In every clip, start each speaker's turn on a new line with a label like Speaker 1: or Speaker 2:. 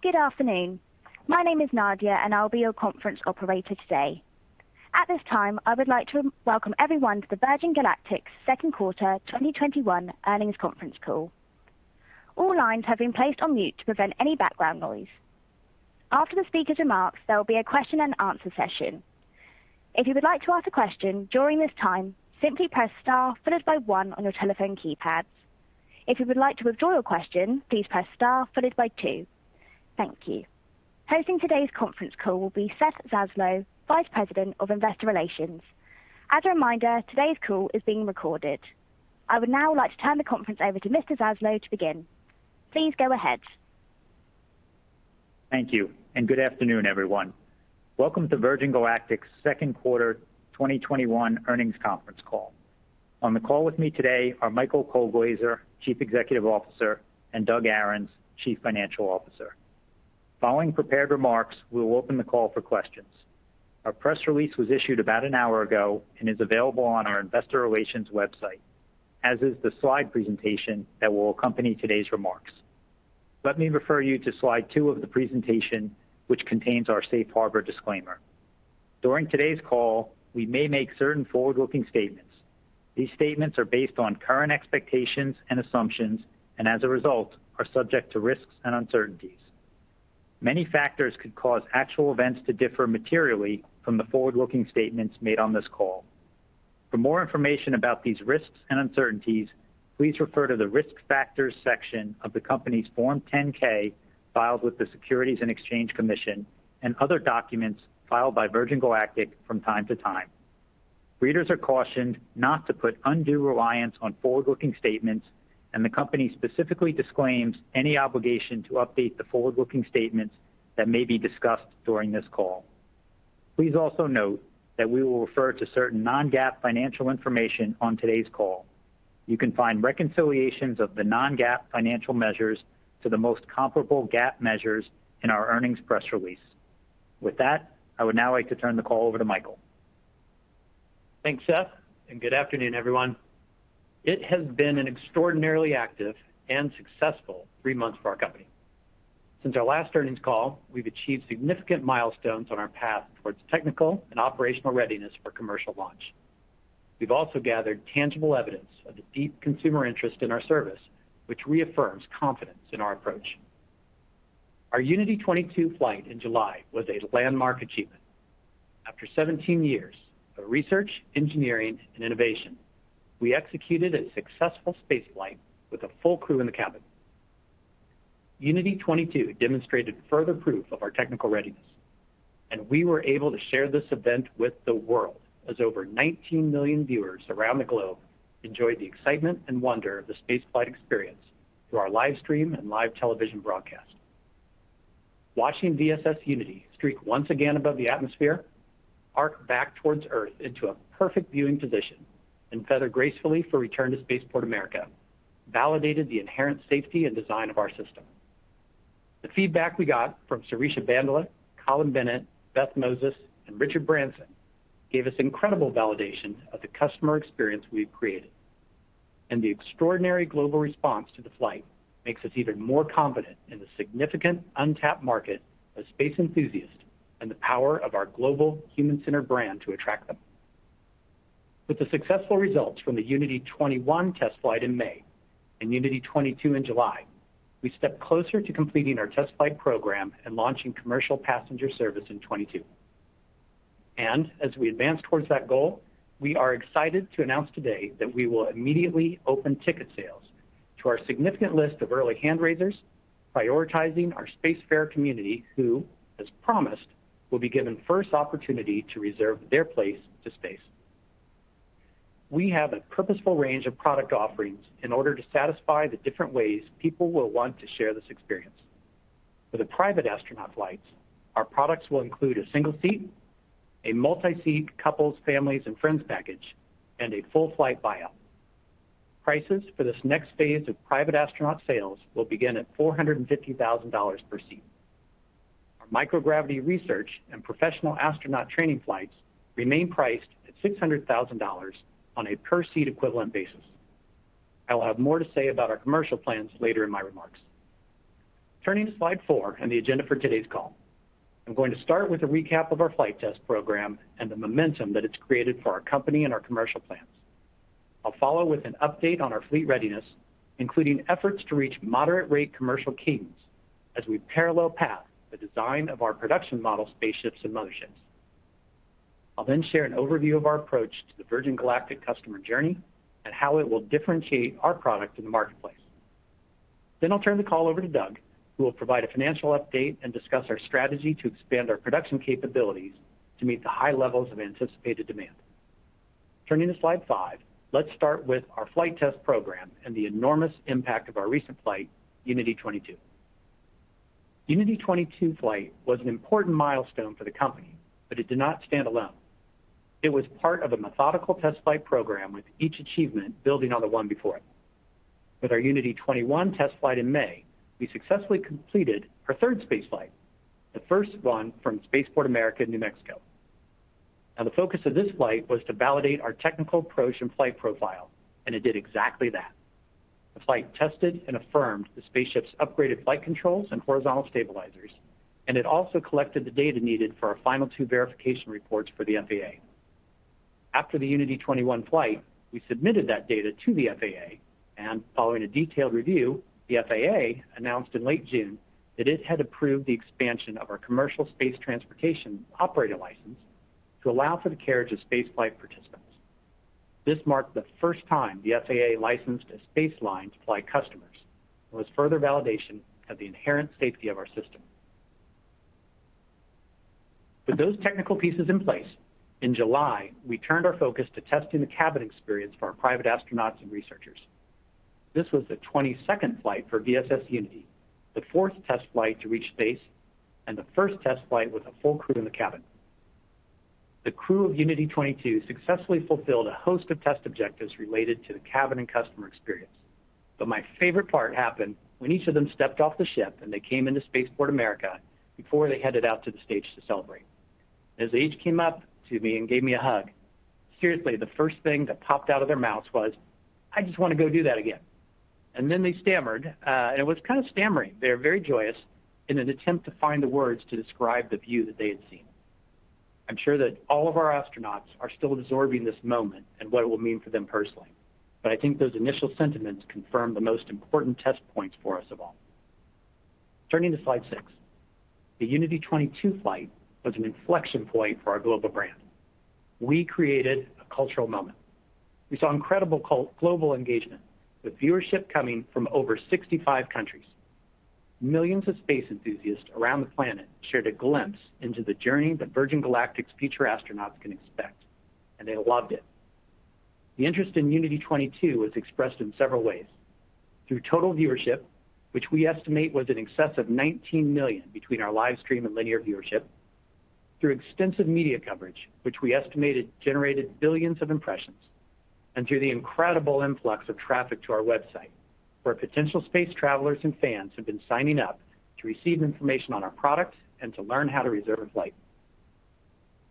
Speaker 1: Good afternoon. My name is Nadia, and I'll be your conference operator today. At this time, I would like to welcome everyone to the Virgin Galactic second quarter 2021 earnings conference call. After the speaker's remarks, there will be a question and answer session. Hosting today's conference call will be Seth Zaslow, Vice President of Investor Relations. As a reminder, today's call is being recorded. I would now like to turn the conference over to Mr. Zaslow to begin. Please go ahead.
Speaker 2: Thank you. Good afternoon, everyone. Welcome to Virgin Galactic's second quarter 2021 earnings conference call. On the call with me today are Michael Colglazier, Chief Executive Officer, and Doug Ahrens, Chief Financial Officer. Following prepared remarks, we will open the call for questions. Our press release was issued about an hour ago and is available on our investor relations website, as is the slide presentation that will accompany today's remarks. Let me refer you to slide two of the presentation, which contains our safe harbor disclaimer. During today's call, we may make certain forward-looking statements. These statements are based on current expectations and assumptions, and as a result, are subject to risks and uncertainties. Many factors could cause actual events to differ materially from the forward-looking statements made on this call. For more information about these risks and uncertainties, please refer to the Risk Factors section of the company's Form 10-K filed with the Securities and Exchange Commission and other documents filed by Virgin Galactic from time to time. Readers are cautioned not to put undue reliance on forward-looking statements, and the company specifically disclaims any obligation to update the forward-looking statements that may be discussed during this call. Please also note that we will refer to certain non-GAAP financial information on today's call. You can find reconciliations of the non-GAAP financial measures to the most comparable GAAP measures in our earnings press release. With that, I would now like to turn the call over to Michael.
Speaker 3: Thanks, Seth. Good afternoon, everyone. It has been an extraordinarily active and successful three months for our company. Since our last earnings call, we've achieved significant milestones on our path towards technical and operational readiness for commercial launch. We've also gathered tangible evidence of the deep consumer interest in our service, which reaffirms confidence in our approach. Our Unity 22 flight in July was a landmark achievement. After 17 years of research, engineering, and innovation, we executed a successful space flight with a full crew in the cabin. Unity 22 demonstrated further proof of our technical readiness, and we were able to share this event with the world, as over 19 million viewers around the globe enjoyed the excitement and wonder of the space flight experience through our live stream and live television broadcast. Watching VSS Unity streak once again above the atmosphere, arc back towards Earth into a perfect viewing position, and feather gracefully for return to Spaceport America validated the inherent safety and design of our system. The feedback we got from Sirisha Bandla, Colin Bennett, Beth Moses, and Richard Branson gave us incredible validation of the customer experience we've created, and the extraordinary global response to the flight makes us even more confident in the significant untapped market of space enthusiasts and the power of our global human-centered brand to attract them. With the successful results from the Unity 21 test flight in May and Unity 22 in July, we step closer to completing our test flight program and launching commercial passenger service in 2022. As we advance towards that goal, we are excited to announce today that we will immediately open ticket sales to our significant list of early hand raisers, prioritizing our Spacefarer community who, as promised, will be given first opportunity to reserve their place to space. We have a purposeful range of product offerings in order to satisfy the different ways people will want to share this experience. For the private astronaut flights, our products will include a single seat, a multi-seat couples, families, and friends package, and a full flight buy-up. Prices for this next phase of private astronaut sales will begin at $450,000 per seat. Our microgravity research and professional astronaut training flights remain priced at $600,000 on a per seat equivalent basis. I'll have more to say about our commercial plans later in my remarks. Turning to slide four and the agenda for today's call. I'm going to start with a recap of our flight test program and the momentum that it's created for our company and our commercial plans. I'll follow with an update on our fleet readiness, including efforts to reach moderate rate commercial cadence as we parallel path the design of our production model spaceships and motherships. I'll share an overview of our approach to the Virgin Galactic customer journey and how it will differentiate our product in the marketplace. I'll turn the call over to Doug, who will provide a financial update and discuss our strategy to expand our production capabilities to meet the high levels of anticipated demand. Turning to slide five, let's start with our flight test program and the enormous impact of our recent flight, Unity 22. Unity 22 flight was an important milestone for the company, it did not stand alone. It was part of a methodical test flight program with each achievement building on the one before it. With our Unity 21 test flight in May, we successfully completed our third space flight, the first one from Spaceport America, New Mexico. Now the focus of this flight was to validate our technical approach and flight profile, it did exactly that. The flight tested and affirmed the spaceship's upgraded flight controls and horizontal stabilizers, it also collected the data needed for our final two verification reports for the FAA. After the Unity 21 flight, we submitted that data to the FAA, following a detailed review, the FAA announced in late June that it had approved the expansion of our commercial space transportation operator license to allow for the carriage of spaceflight participants. This marked the first time the FAA licensed a space line to fly customers, and was further validation of the inherent safety of our system. With those technical pieces in place, in July, we turned our focus to testing the cabin experience for our private astronauts and researchers. This was the 22nd flight for VSS Unity, the fourth test flight to reach space, and the first test flight with a full crew in the cabin. The crew of Unity 22 successfully fulfilled a host of test objectives related to the cabin and customer experience. My favorite part happened when each of them stepped off the ship and they came into Spaceport America before they headed out to the stage to celebrate. As each came up to me and gave me a hug, seriously, the first thing that popped out of their mouths was, "I just want to go do that again." They stammered, and it was kind of stammering. They were very joyous in an attempt to find the words to describe the view that they had seen. I'm sure that all of our astronauts are still absorbing this moment and what it will mean for them personally. I think those initial sentiments confirm the most important test points for us of all. Turning to slide six. The Unity 22 flight was an inflection point for our global brand. We created a cultural moment. We saw incredible global engagement, with viewership coming from over 65 countries. Millions of space enthusiasts around the planet shared a glimpse into the journey that Virgin Galactic's future astronauts can expect, and they loved it. The interest in Unity 22 was expressed in several ways: through total viewership, which we estimate was in excess of 19 million between our live stream and linear viewership, through extensive media coverage, which we estimated generated billions of impressions, and through the incredible influx of traffic to our website, where potential space travelers and fans have been signing up to receive information on our products and to learn how to reserve a flight.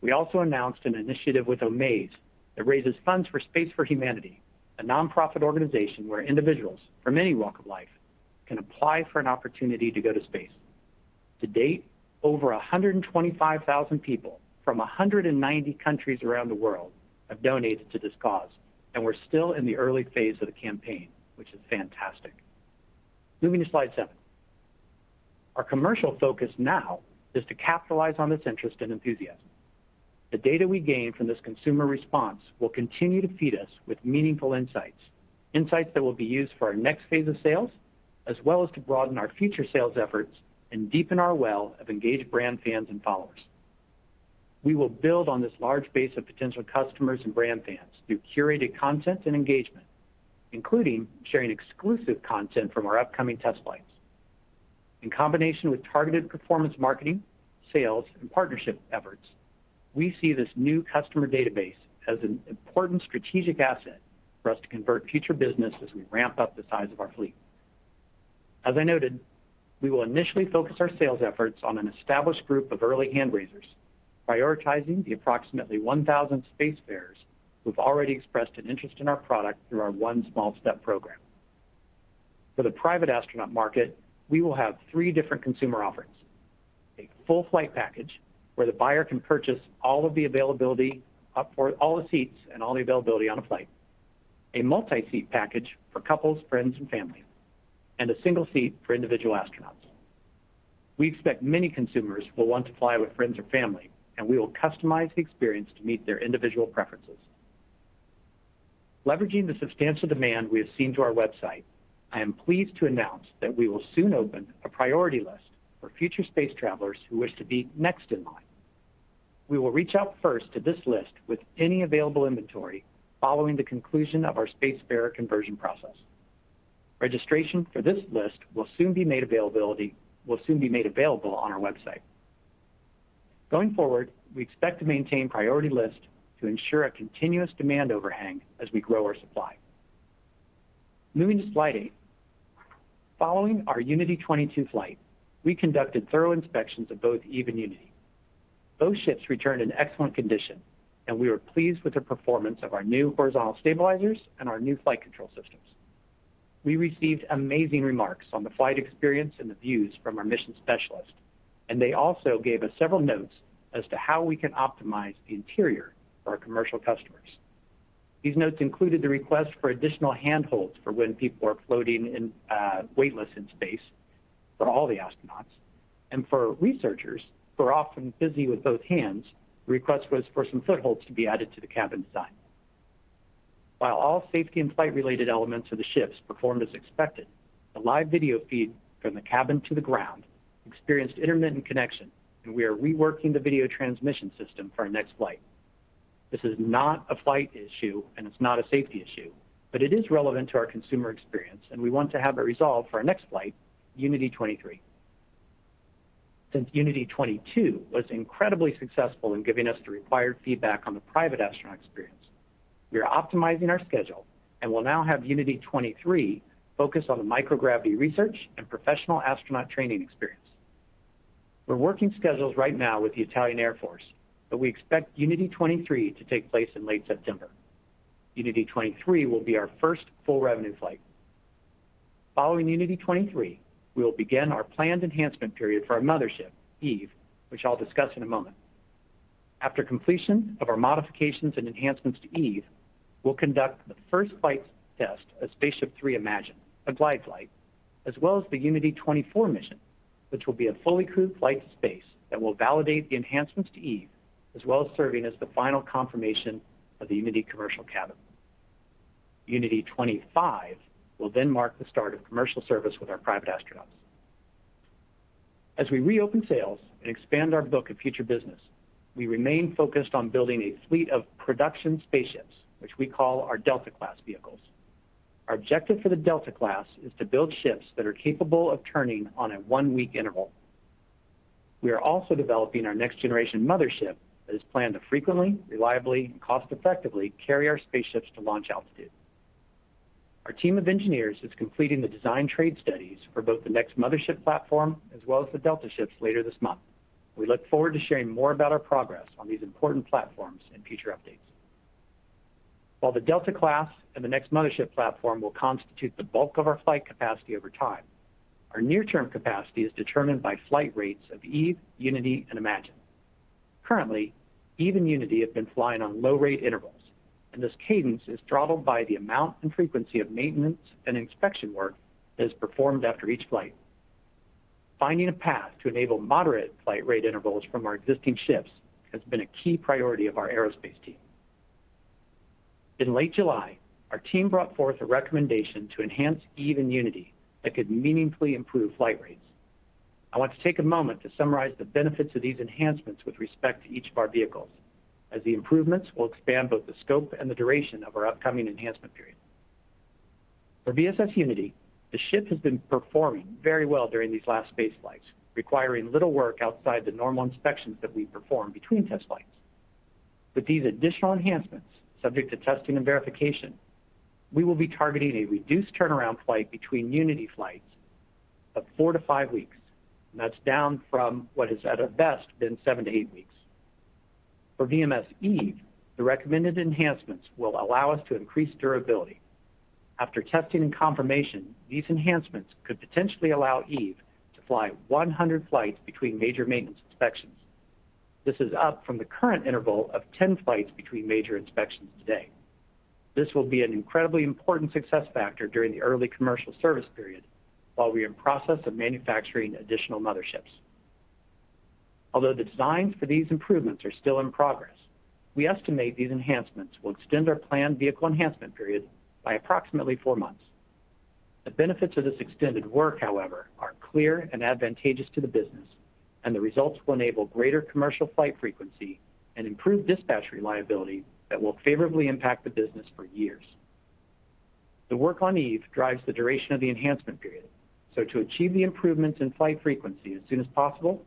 Speaker 3: We also announced an initiative with Omaze that raises funds for Space for Humanity, a nonprofit organization where individuals from any walk of life can apply for an opportunity to go to space. To date, over 125,000 people from 190 countries around the world have donated to this cause, and we're still in the early phase of the campaign, which is fantastic. Moving to slide seven. Our commercial focus now is to capitalize on this interest and enthusiasm. The data we gain from this consumer response will continue to feed us with meaningful insights that will be used for our next phase of sales, as well as to broaden our future sales efforts and deepen our well of engaged brand fans and followers. We will build on this large base of potential customers and brand fans through curated content and engagement, including sharing exclusive content from our upcoming test flights. In combination with targeted performance marketing, sales, and partnership efforts, we see this new customer database as an important strategic asset for us to convert future business as we ramp up the size of our fleet. As I noted, we will initially focus our sales efforts on an established group of early hand-raisers, prioritizing the approximately 1,000 spacefarers who've already expressed an interest in our product through our One Small Step program. For the private astronaut market, we will have three different consumer offerings: a full flight package, where the buyer can purchase all the seats and all the availability on a flight, a multi-seat package for couples, friends, and family, and a single seat for individual astronauts. We expect many consumers will want to fly with friends or family, and we will customize the experience to meet their individual preferences. Leveraging the substantial demand we have seen to our website, I am pleased to announce that we will soon open a priority list for future space travelers who wish to be next in line. We will reach out first to this list with any available inventory following the conclusion of our spacefarer conversion process. Registration for this list will soon be made available on our website. Going forward, we expect to maintain priority lists to ensure a continuous demand overhang as we grow our supply. Moving to slide eight. Following our Unity 22 flight, we conducted thorough inspections of both Eve and Unity. Both ships returned in excellent condition, and we were pleased with the performance of our new horizontal stabilizers and our new flight control systems. We received amazing remarks on the flight experience and the views from our mission specialist. They also gave us several notes as to how we can optimize the interior for our commercial customers. These notes included the request for additional handholds for when people are floating weightless in space for all the astronauts, and for researchers, who are often busy with both hands, the request was for some footholds to be added to the cabin design. While all safety and flight-related elements of the ships performed as expected, the live video feed from the cabin to the ground experienced intermittent connection, and we are reworking the video transmission system for our next flight. This is not a flight issue and it's not a safety issue, but it is relevant to our consumer experience, and we want to have it resolved for our next flight, Unity 23. Since Unity 22 was incredibly successful in giving us the required feedback on the private astronaut experience. We are optimizing our schedule and will now have Unity 23 focused on the microgravity research and professional astronaut training experience. We're working schedules right now with the Italian Air Force, but we expect Unity 23 to take place in late September. Unity 23 will be our first full revenue flight. Following Unity 23, we will begin our planned enhancement period for our Mothership Eve, which I'll discuss in a moment. After completion of our modifications and enhancements to Eve, we'll conduct the first flight test of SpaceShip III Imagine, a glide flight, as well as the Unity 24 mission, which will be a fully crewed flight to space that will validate the enhancements to Eve, as well as serving as the final confirmation of the Unity commercial cabin. Unity 25 will then mark the start of commercial service with our private astronauts. As we reopen sales and expand our book of future business, we remain focused on building a fleet of production spaceships, which we call our Delta class vehicles. Our objective for the Delta class is to build ships that are capable of turning on a one-week interval. We are also developing our next-generation mothership that is planned to frequently, reliably, and cost-effectively carry our spaceships to launch altitude. Our team of engineers is completing the design trade studies for both the next mothership platform as well as the Delta ships later this month. We look forward to sharing more about our progress on these important platforms in future updates. While the Delta class and the next mothership platform will constitute the bulk of our flight capacity over time, our near-term capacity is determined by flight rates of Eve, Unity, and Imagine. Currently, Eve and Unity have been flying on low-rate intervals, and this cadence is throttled by the amount and frequency of maintenance and inspection work that is performed after each flight. Finding a path to enable moderate flight rate intervals from our existing ships has been a key priority of our aerospace team. In late July, our team brought forth a recommendation to enhance Eve and Unity that could meaningfully improve flight rates. I want to take a moment to summarize the benefits of these enhancements with respect to each of our vehicles, as the improvements will expand both the scope and the duration of our upcoming enhancement period. For VSS Unity, the ship has been performing very well during these last space flights, requiring little work outside the normal inspections that we perform between test flights. With these additional enhancements, subject to testing and verification, we will be targeting a reduced turnaround flight between Unity flights of four to five weeks, and that's down from what has at our best been seven to eight weeks. For VMS Eve, the recommended enhancements will allow us to increase durability. After testing and confirmation, these enhancements could potentially allow Eve to fly 100 flights between major maintenance inspections. This is up from the current interval of 10 flights between major inspections today. This will be an incredibly important success factor during the early commercial service period while we are in process of manufacturing additional motherships. Although the designs for these improvements are still in progress, we estimate these enhancements will extend our planned vehicle enhancement period by approximately four months. The benefits of this extended work, however, are clear and advantageous to the business, and the results will enable greater commercial flight frequency and improved dispatch reliability that will favorably impact the business for years. The work on Eve drives the duration of the enhancement period, to achieve the improvements in flight frequency as soon as possible,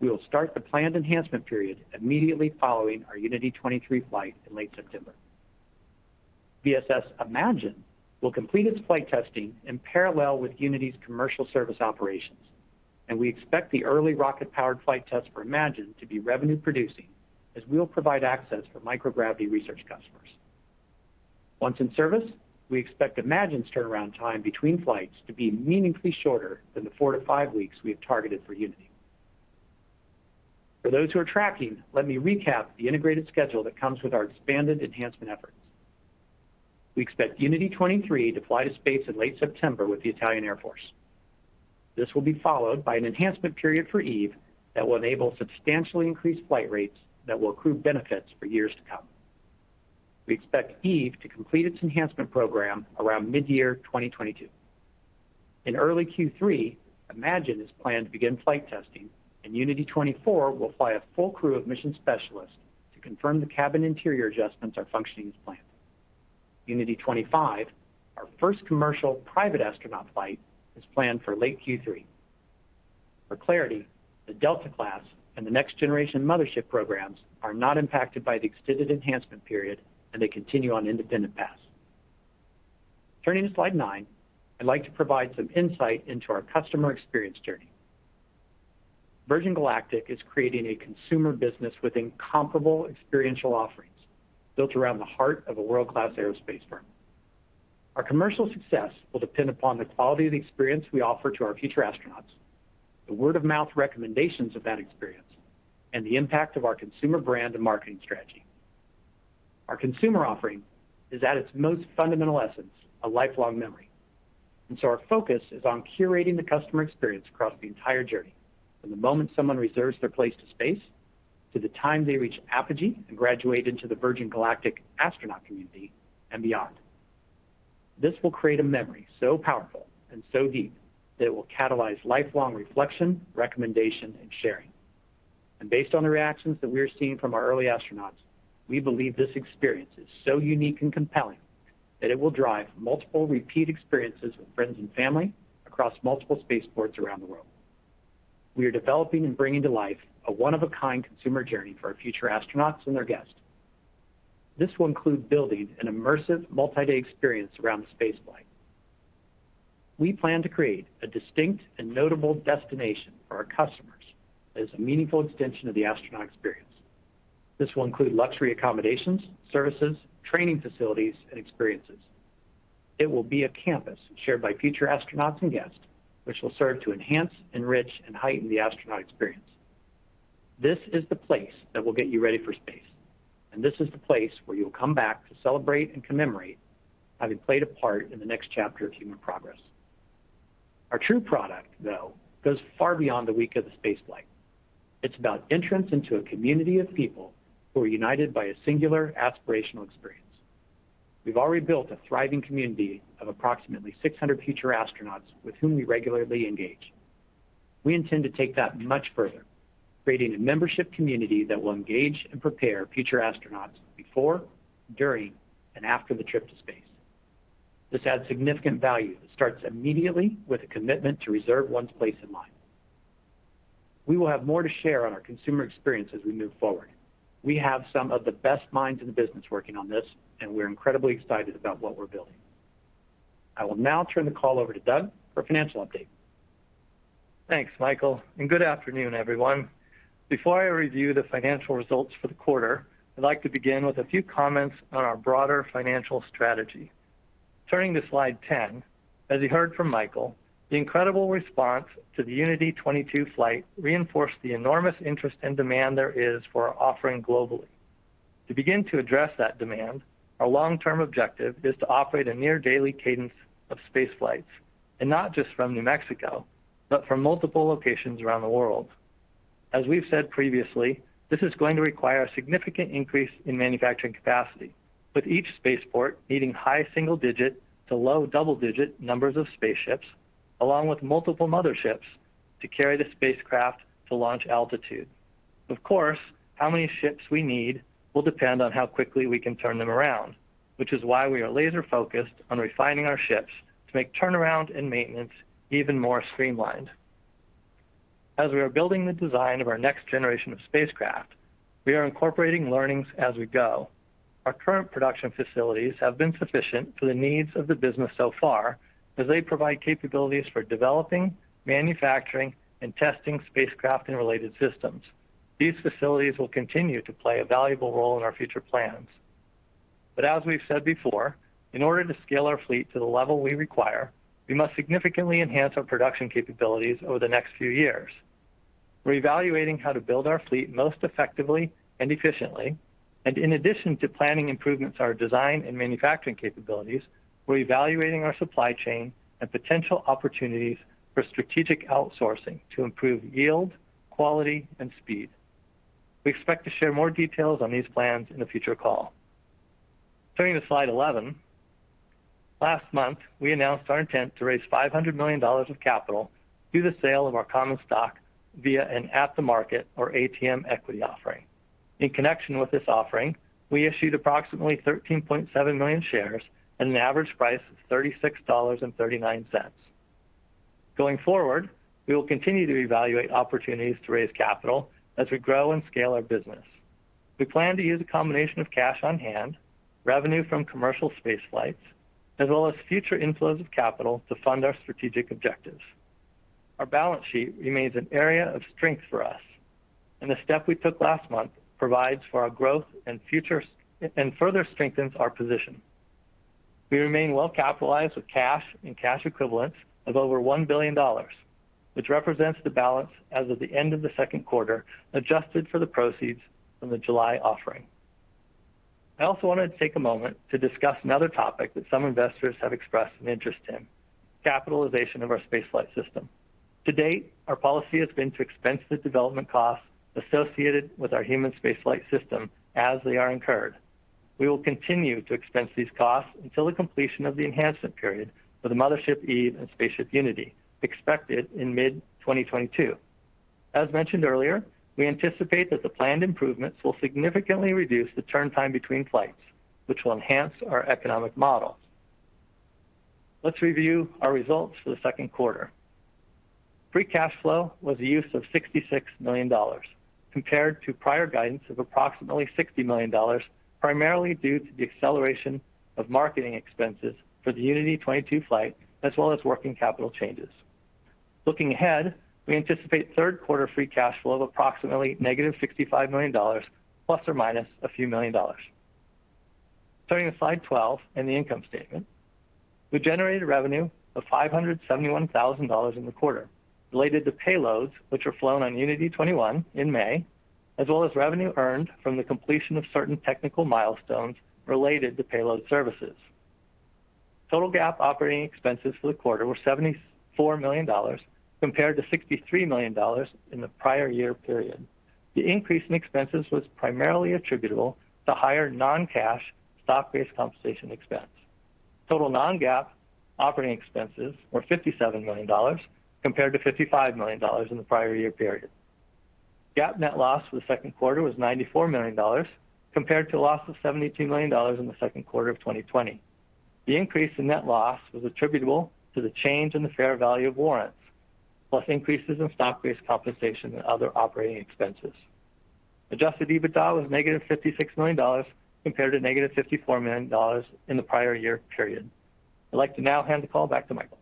Speaker 3: we will start the planned enhancement period immediately following our Unity 23 flight in late September. VSS Imagine will complete its flight testing in parallel with Unity's commercial service operations, we expect the early rocket-powered flight test for Imagine to be revenue producing as we will provide access for microgravity research customers. Once in service, we expect Imagine's turnaround time between flights to be meaningfully shorter than the four to five weeks we have targeted for Unity. For those who are tracking, let me recap the integrated schedule that comes with our expanded enhancement efforts. We expect Unity 23 to fly to space in late September with the Italian Air Force. This will be followed by an enhancement period for Eve that will enable substantially increased flight rates that will accrue benefits for years to come. We expect Eve to complete its enhancement program around mid-year 2022. In early Q3, Imagine is planned to begin flight testing, and Unity 24 will fly a full crew of mission specialists to confirm the cabin interior adjustments are functioning as planned. Unity 25, our first commercial private astronaut flight, is planned for late Q3. For clarity, the Delta class and the next-generation mothership programs are not impacted by the extended enhancement period, and they continue on independent paths. Turning to slide nine, I'd like to provide some insight into our customer experience journey. Virgin Galactic is creating a consumer business with incomparable experiential offerings built around the heart of a world-class aerospace firm. Our commercial success will depend upon the quality of the experience we offer to our future astronauts, the word-of-mouth recommendations of that experience, and the impact of our consumer brand and marketing strategy. Our consumer offering is, at its most fundamental essence, a lifelong memory, and so our focus is on curating the customer experience across the entire journey from the moment someone reserves their place to space, to the time they reach apogee and graduate into the Virgin Galactic astronaut community and beyond. This will create a memory so powerful and so deep that it will catalyze lifelong reflection, recommendation, and sharing. Based on the reactions that we are seeing from our early astronauts, we believe this experience is so unique and compelling that it will drive multiple repeat experiences with friends and family across multiple space ports around the world. We are developing and bringing to life a one-of-a-kind consumer journey for our future astronauts and their guests. This will include building an immersive multi-day experience around the spaceflight. We plan to create a distinct and notable destination for our customers as a meaningful extension of the astronaut experience. This will include luxury accommodations, services, training facilities, and experiences. It will be a campus shared by future astronauts and guests, which will serve to enhance, enrich, and heighten the astronaut experience. This is the place that will get you ready for space, and this is the place where you'll come back to celebrate and commemorate having played a part in the next chapter of human progress. Our true product, though, goes far beyond the week of the spaceflight. It's about entrance into a community of people who are united by a singular aspirational experience. We've already built a thriving community of approximately 600 future astronauts with whom we regularly engage. We intend to take that much further, creating a membership community that will engage and prepare future astronauts before, during, and after the trip to space. This adds significant value that starts immediately with a commitment to reserve one's place in line. We will have more to share on our consumer experience as we move forward. We have some of the best minds in the business working on this, and we're incredibly excited about what we're building. I will now turn the call over to Doug for financial update.
Speaker 4: Thanks, Michael. Good afternoon, everyone. Before I review the financial results for the quarter, I'd like to begin with a few comments on our broader financial strategy. Turning to slide 10, as you heard from Michael, the incredible response to the Unity 22 flight reinforced the enormous interest and demand there is for our offering globally. To begin to address that demand, our long-term objective is to operate a near-daily cadence of spaceflights, not just from New Mexico, but from multiple locations around the world. As we've said previously, this is going to require a significant increase in manufacturing capacity, with each spaceport needing high single-digit to low double-digit numbers of spaceships, along with multiple motherships to carry the spacecraft to launch altitude. Of course, how many ships we need will depend on how quickly we can turn them around, which is why we are laser-focused on refining our ships to make turnaround and maintenance even more streamlined. As we are building the design of our next generation of spacecraft, we are incorporating learnings as we go. Our current production facilities have been sufficient for the needs of the business so far as they provide capabilities for developing, manufacturing, and testing spacecraft and related systems. These facilities will continue to play a valuable role in our future plans. As we've said before, in order to scale our fleet to the level we require, we must significantly enhance our production capabilities over the next few years. We're evaluating how to build our fleet most effectively and efficiently. In addition to planning improvements to our design and manufacturing capabilities, we're evaluating our supply chain and potential opportunities for strategic outsourcing to improve yield, quality, and speed. We expect to share more details on these plans in a future call. Turning to slide 11. Last month, we announced our intent to raise $500 million of capital through the sale of our common stock via an at-the-market or ATM equity offering. In connection with this offering, we issued approximately 13.7 million shares at an average price of $36.39. Going forward, we will continue to evaluate opportunities to raise capital as we grow and scale our business. We plan to use a combination of cash on hand, revenue from commercial spaceflights, as well as future inflows of capital to fund our strategic objectives. Our balance sheet remains an area of strength for us, and the step we took last month provides for our growth and further strengthens our position. We remain well-capitalized with cash and cash equivalents of over $1 billion, which represents the balance as of the end of the second quarter, adjusted for the proceeds from the July offering. I also wanted to take a moment to discuss another topic that some investors have expressed an interest in, capitalization of our spaceflight system. To date, our policy has been to expense the development costs associated with our human spaceflight system as they are incurred. We will continue to expense these costs until the completion of the enhancement period for the Mothership Eve and Spaceship Unity expected in mid-2022. As mentioned earlier, we anticipate that the planned improvements will significantly reduce the turn time between flights, which will enhance our economic model. Let's review our results for the second quarter. Free cash flow was the use of $66 million compared to prior guidance of approximately $60 million, primarily due to the acceleration of marketing expenses for the Unity 22 flight, as well as working capital changes. Looking ahead, we anticipate third quarter free cash flow of approximately -$65 million, plus or minus a few million dollars. Turning to slide 12 and the income statement. We generated revenue of $571,000 in the quarter related to payloads, which were flown on Unity 21 in May, as well as revenue earned from the completion of certain technical milestones related to payload services. Total GAAP operating expenses for the quarter were $74 million compared to $63 million in the prior year period. The increase in expenses was primarily attributable to higher non-cash stock-based compensation expense. Total non-GAAP operating expenses were $57 million compared to $55 million in the prior year period. GAAP net loss for the second quarter was $94 million compared to a loss of $72 million in the second quarter of 2020. The increase in net loss was attributable to the change in the fair value of warrants, plus increases in stock-based compensation and other operating expenses. Adjusted EBITDA was -$56 million compared to -$54 million in the prior year period. I'd like to now hand the call back to Michael.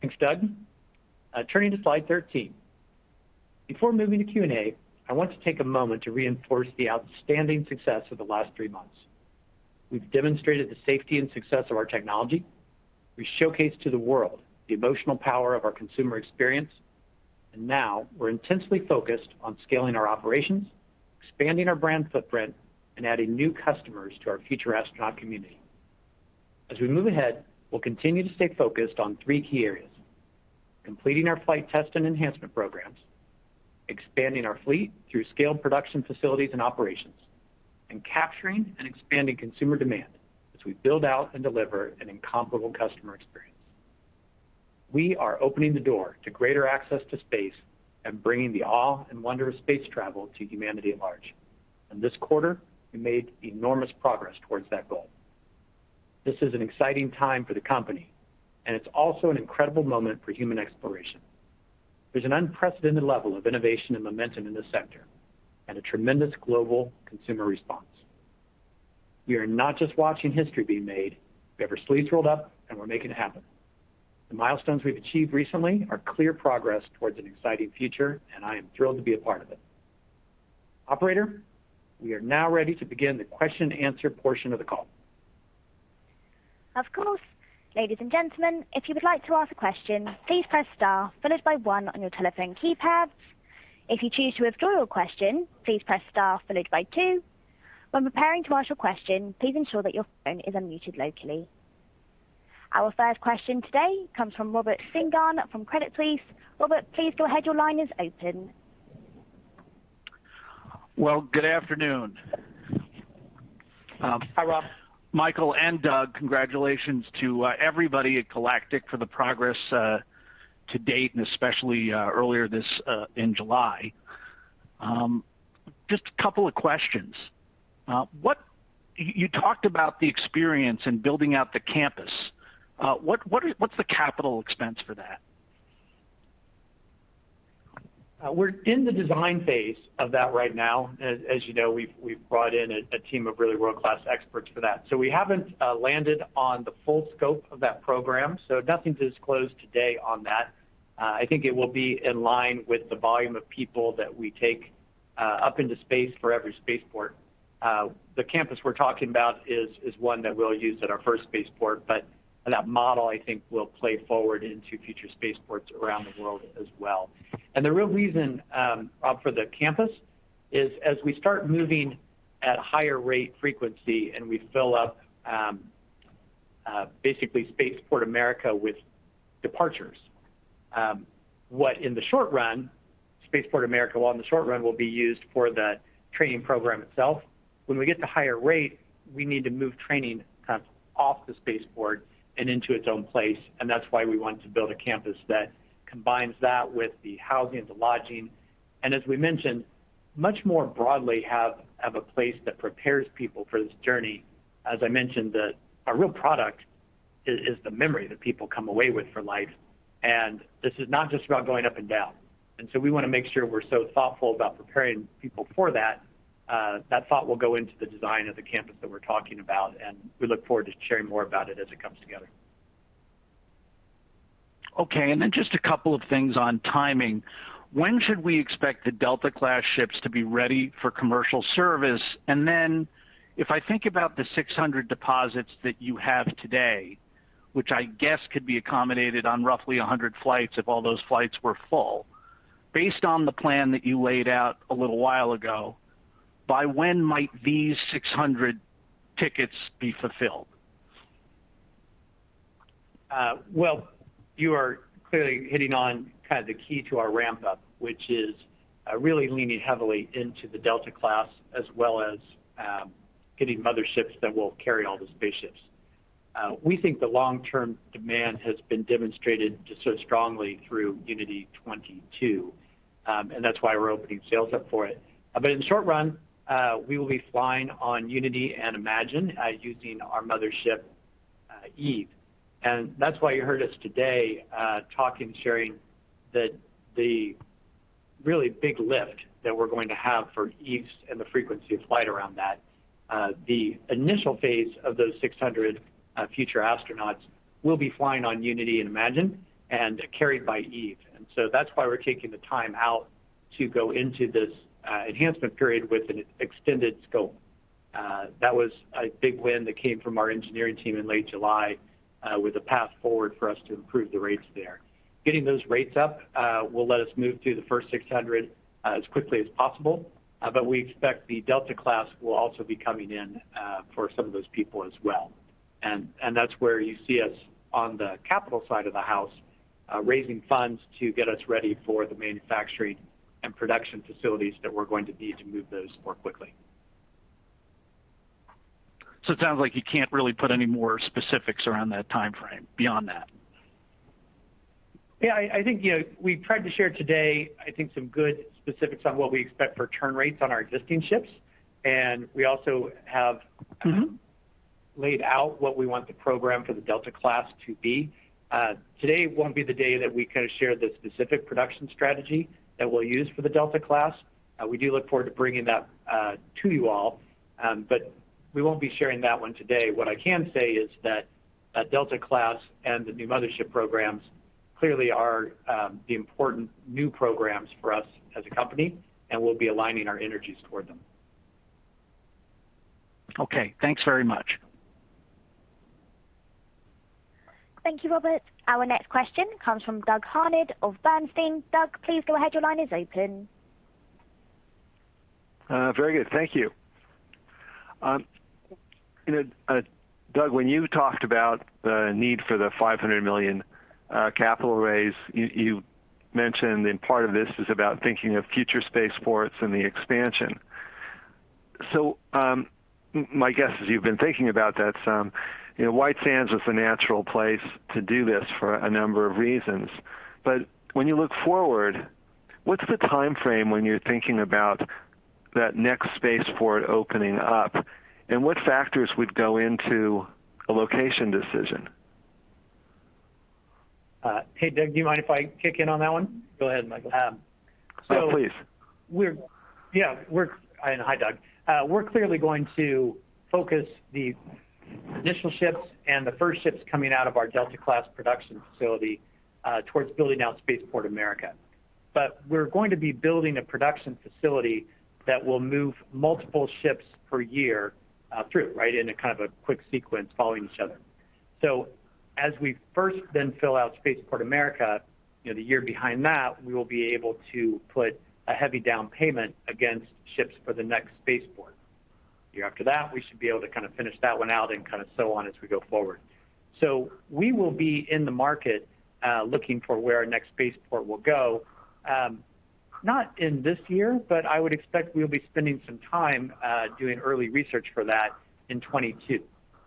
Speaker 3: Thanks, Doug. Turning to slide 13. Before moving to Q&A, I want to take a moment to reinforce the outstanding success of the last three months. We've demonstrated the safety and success of our technology. We showcased to the world the emotional power of our consumer experience, and now we're intensely focused on scaling our operations, expanding our brand footprint, and adding new customers to our future astronaut community. As we move ahead, we'll continue to stay focused on three key areas, completing our flight test and enhancement programs, expanding our fleet through scaled production facilities and operations, and capturing and expanding consumer demand as we build out and deliver an incomparable customer experience. We are opening the door to greater access to space and bringing the awe and wonder of space travel to humanity at large. In this quarter, we made enormous progress towards that goal. This is an exciting time for the company, and it's also an incredible moment for human exploration. There's an unprecedented level of innovation and momentum in this sector and a tremendous global consumer response. We are not just watching history being made. We have our sleeves rolled up, and we're making it happen. The milestones we've achieved recently are clear progress towards an exciting future, and I am thrilled to be a part of it. Operator, we are now ready to begin the question and answer portion of the call.
Speaker 1: Of course. Our first question today comes from Robert Spingarn from Credit Suisse. Robert, please go ahead. Your line is open.
Speaker 5: Well, good afternoon.
Speaker 3: Hi, Rob.
Speaker 5: Michael and Doug, congratulations to everybody at Galactic for the progress to date and especially earlier this in July. Just a couple of questions. You talked about the experience in building out the campus. What's the capital expense for that?
Speaker 3: We're in the design phase of that right now. As you know, we've brought in a team of really world-class experts for that. We haven't landed on the full scope of that program, so nothing to disclose today on that. I think it will be in line with the volume of people that we take up into space for every spaceport. The campus we're talking about is one that we'll use at our first spaceport, but that model, I think, will play forward into future spaceports around the world as well. The real reason, Rob, for the campus is as we start moving at higher rate frequency and we fill up basically Spaceport America with departures. Spaceport America will in the short run be used for the training program itself. When we get to higher rate, we need to move training kind of off the spaceport and into its own place, and that's why we want to build a campus that combines that with the housing and the lodging. As we mentioned, much more broadly have a place that prepares people for this journey. As I mentioned, our real product is the memory that people come away with for life, and this is not just about going up and down. We want to make sure we're so thoughtful about preparing people for that. That thought will go into the design of the campus that we're talking about, and we look forward to sharing more about it as it comes together.
Speaker 5: Just a couple of things on timing. When should we expect the Delta class ships to be ready for commercial service? If I think about the 600 deposits that you have today, which I guess could be accommodated on roughly 100 flights if all those flights were full. Based on the plan that you laid out a little while ago, by when might these 600 tickets be fulfilled?
Speaker 3: Well, you are clearly hitting on kind of the key to our ramp-up, which is really leaning heavily into the Delta class, as well as getting motherships that will carry all the spaceships. In the short run, we will be flying on Unity and Imagine using our Mothership Eve. That's why you heard us today talking, sharing the really big lift that we're going to have for Eve and the frequency of flight around that. The initial phase of those 600 future astronauts will be flying on Unity and Imagine and carried by Eve. That's why we're taking the time out to go into this enhancement period with an extended scope. That was a big win that came from our engineering team in late July with a path forward for us to improve the rates there. Getting those rates up will let us move through the first 600 as quickly as possible, but we expect the Delta class will also be coming in for some of those people as well. That's where you see us on the capital side of the house, raising funds to get us ready for the manufacturing and production facilities that we're going to need to move those more quickly.
Speaker 5: It sounds like you can't really put any more specifics around that timeframe beyond that.
Speaker 3: Yeah. I think we tried to share today some good specifics on what we expect for turn rates on our existing ships, and we also have. laid out what we want the program for the Delta class to be. Today won't be the day that we kind of share the specific production strategy that we'll use for the Delta class. We do look forward to bringing that to you all, but we won't be sharing that one today. What I can say is that Delta class and the new mothership programs clearly are the important new programs for us as a company, and we'll be aligning our energies toward them.
Speaker 5: Okay. Thanks very much.
Speaker 1: Thank you, Robert. Our next question comes from Doug Harned of Bernstein. Doug, please go ahead.
Speaker 6: Very good. Thank you. Doug, when you talked about the need for the $500 million capital raise, you mentioned then part of this is about thinking of future space ports and the expansion. My guess is you've been thinking about that some. White Sands is the natural place to do this for a number of reasons. When you look forward, what's the timeframe when you're thinking about that next space port opening up, and what factors would go into a location decision?
Speaker 3: Hey, Doug, do you mind if I kick in on that one?
Speaker 4: Go ahead, Michael.
Speaker 3: So-
Speaker 6: Please Yeah. Hi, Doug. We're clearly going to focus the initial ships and the first ships coming out of our Delta class production facility towards building out Spaceport America. We're going to be building a production facility that will move multiple ships per year through, right in a kind of a quick sequence following each other. As we first then fill out Spaceport America, the year behind that, we will be able to put a heavy down payment against ships for the next spaceport. Year after that, we should be able to kind of finish that one out and kind of so on as we go forward. We will be in the market looking for where our next spaceport will go, not in this year, but I would expect we'll be spending some time doing early research for that in 2022.